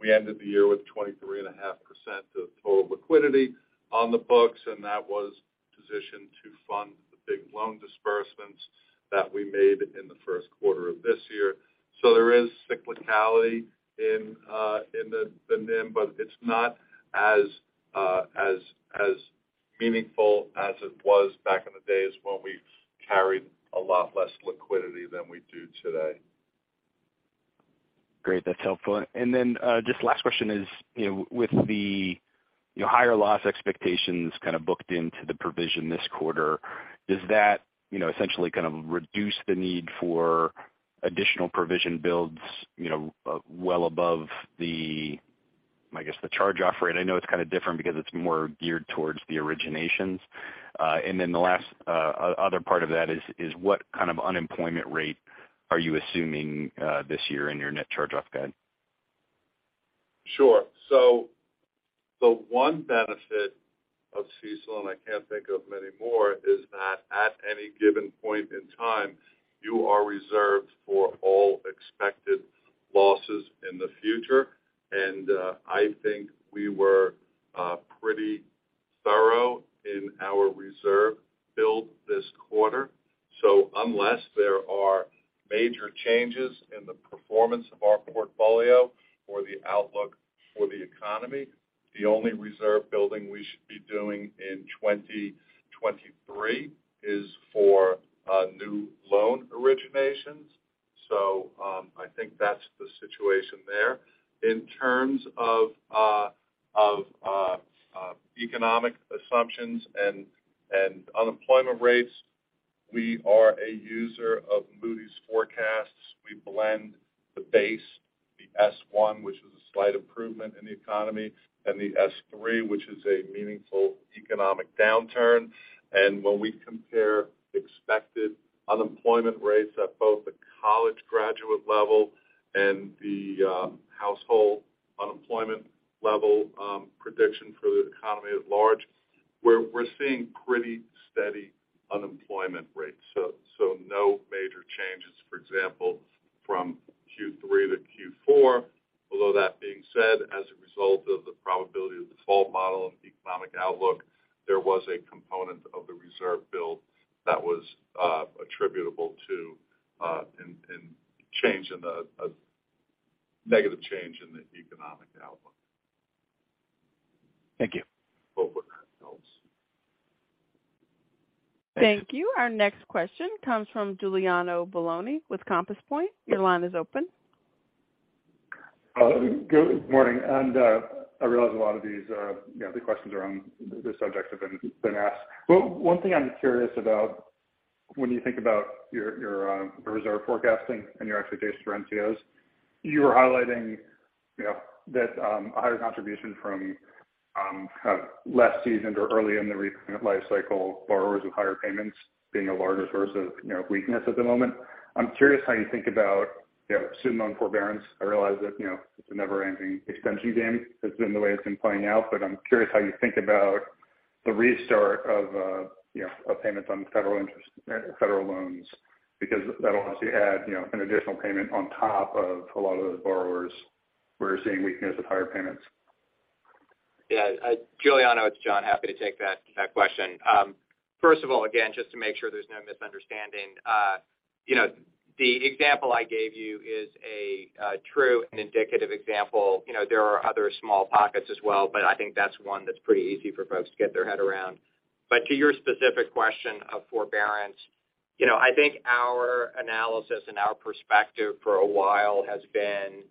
we ended the year with 23.5% of total liquidity on the books, and that was positioned to fund the big loan disbursements that we made in the first quarter of this year. There is cyclicality in the NIM, but it's not as meaningful as it was back in the days when we carried a lot less liquidity than we do today. Great. That's helpful. Just last question is, you know, with the, you know, higher loss expectations kind of booked into the provision this quarter, does that, you know, essentially kind of reduce the need for additional provision builds, you know, well above the, I guess, the charge-off rate? I know it's kind of different because it's more geared towards the originations. The last other part of that is what kind of unemployment rate are you assuming this year in your net charge-off guide? Sure. The one benefit of CECL, and I can't think of many more, is that at any given point in time, you are reserved for all expected losses in the future. I think we were pretty thorough in our reserve build this quarter. Unless there are major changes in the performance of our portfolio or the outlook for the economy, the only reserve building we should be doing in 2023 is for new loan originations. I think that's the situation there. In terms of economic assumptions and unemployment rates, we are a user of Moody's forecasts. We blend the base, the S1, which is a slight improvement in the economy, and the S3, which is a meaningful economic downturn. When we compare expected unemployment rates at both the college graduate level and the household unemployment level, prediction for the economy at large, we're seeing pretty steady unemployment rates. No major changes, for example, from Q3 to Q4. That being said, as a result of the Probability of Default model and economic outlook, there was a component of the reserve build that was attributable to, and a negative change in the economic outlook. Thank you. Hope that helps. Thank you. Our next question comes from Giuliano Bologna with Compass Point. Your line is open. Hello. Good morning. I realize a lot of these, you know, the questions around the subject have been asked. One thing I'm curious about when you think about your reserve forecasting and your expectations for NCOs, you were highlighting, you know, that a higher contribution from less seasoned or early in the recent life cycle, borrowers with higher payments being a larger source of, you know, weakness at the moment. I'm curious how you think about, you know, student loan forbearance. I realize that, you know, it's a never-ending extension game. It's been the way it's been playing out. I'm curious how you think about the restart of, you know, of payments on federal loans, because that'll obviously add, you know, an additional payment on top of a lot of those borrowers where you're seeing weakness with higher payments. Yeah. Giuliano, it's Jon. Happy to take that question. First of all, again, just to make sure there's no misunderstanding, you know, the example I gave you is a true and indicative example. You know, there are other small pockets as well, but I think that's one that's pretty easy for folks to get their head around. To your specific question of forbearance, you know, I think our analysis and our perspective for a while has been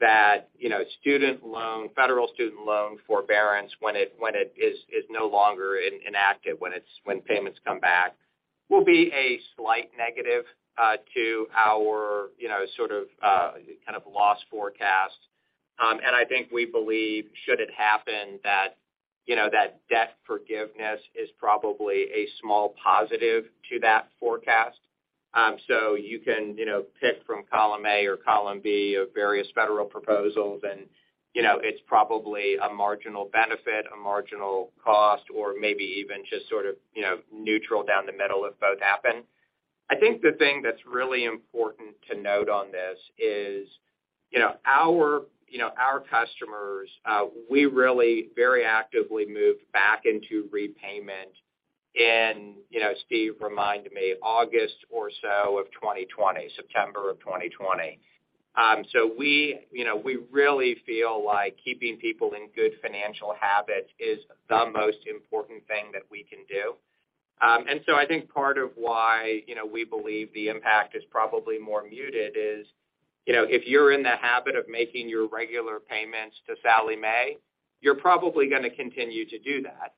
that, you know, student loan, federal student loan forbearance when it is no longer inactive, when payments come back, will be a slight negative to our, you know, sort of, kind of loss forecast. I think we believe should it happen that, you know, that debt forgiveness is probably a small positive to that forecast. You can, you know, pick from column A or column B of various federal proposals, you know, it's probably a marginal benefit, a marginal cost, or maybe even just sort of, you know, neutral down the middle if both happen. I think the thing that's really important to note on this is, you know, our, you know, our customers, we really very actively moved back into repayment in, you know, Steve reminded me, August or so of 2020, September of 2020. We, you know, we really feel like keeping people in good financial habits is the most important thing that we can do. I think part of why, you know, we believe the impact is probably more muted is, you know, if you're in the habit of making your regular payments to Sallie Mae, you're probably gonna continue to do that.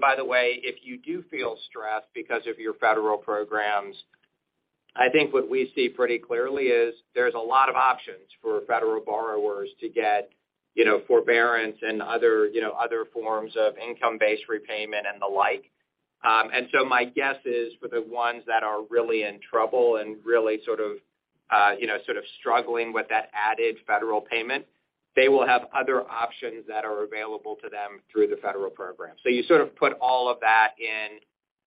By the way, if you do feel stressed because of your federal programs, I think what we see pretty clearly is there's a lot of options for federal borrowers to get, you know, forbearance and other, you know, other forms of income-based repayment and the like. My guess is for the ones that are really in trouble and really sort of, you know, sort of struggling with that added federal payment, they will have other options that are available to them through the federal program. You sort of put all of that in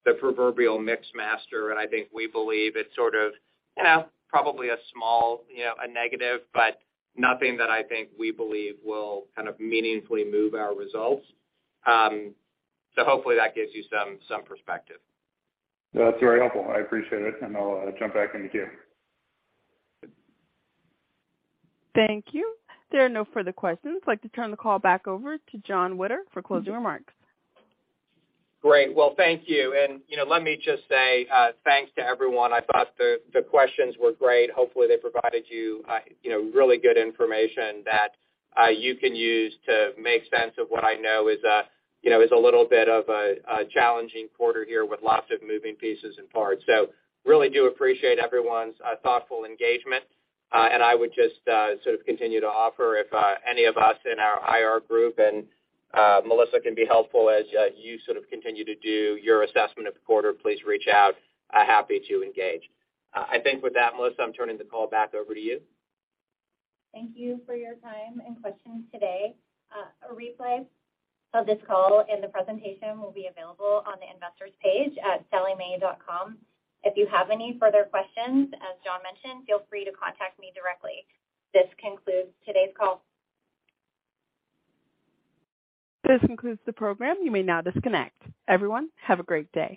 the proverbial mix master, and I think we believe it's sort of, you know, probably a small, you know, a negative, but nothing that I think we believe will kind of meaningfully move our results. Hopefully that gives you some perspective. That's very helpful. I appreciate it. I'll jump back in the queue. Thank you. There are no further questions. I'd like to turn the call back over to Jonathan Witter for closing remarks. Great. Well, thank you. You know, let me just say thanks to everyone. I thought the questions were great. Hopefully, they provided you know, really good information that you can use to make sense of what I know is a, you know, a little bit of a challenging quarter here with lots of moving pieces and parts. Really do appreciate everyone's thoughtful engagement. I would just sort of continue to offer if any of us in our IR group and Melissa Bronaugh can be helpful as you sort of continue to do your assessment of the quarter, please reach out, happy to engage. I think with that, Melissa Bronaugh, I'm turning the call back over to you. Thank you for your time and questions today. A replay of this call and the presentation will be available on the investors page at salliemae.com. If you have any further questions, as Jon mentioned, feel free to contact me directly. This concludes today's call. This concludes the program. You may now disconnect. Everyone, have a great day.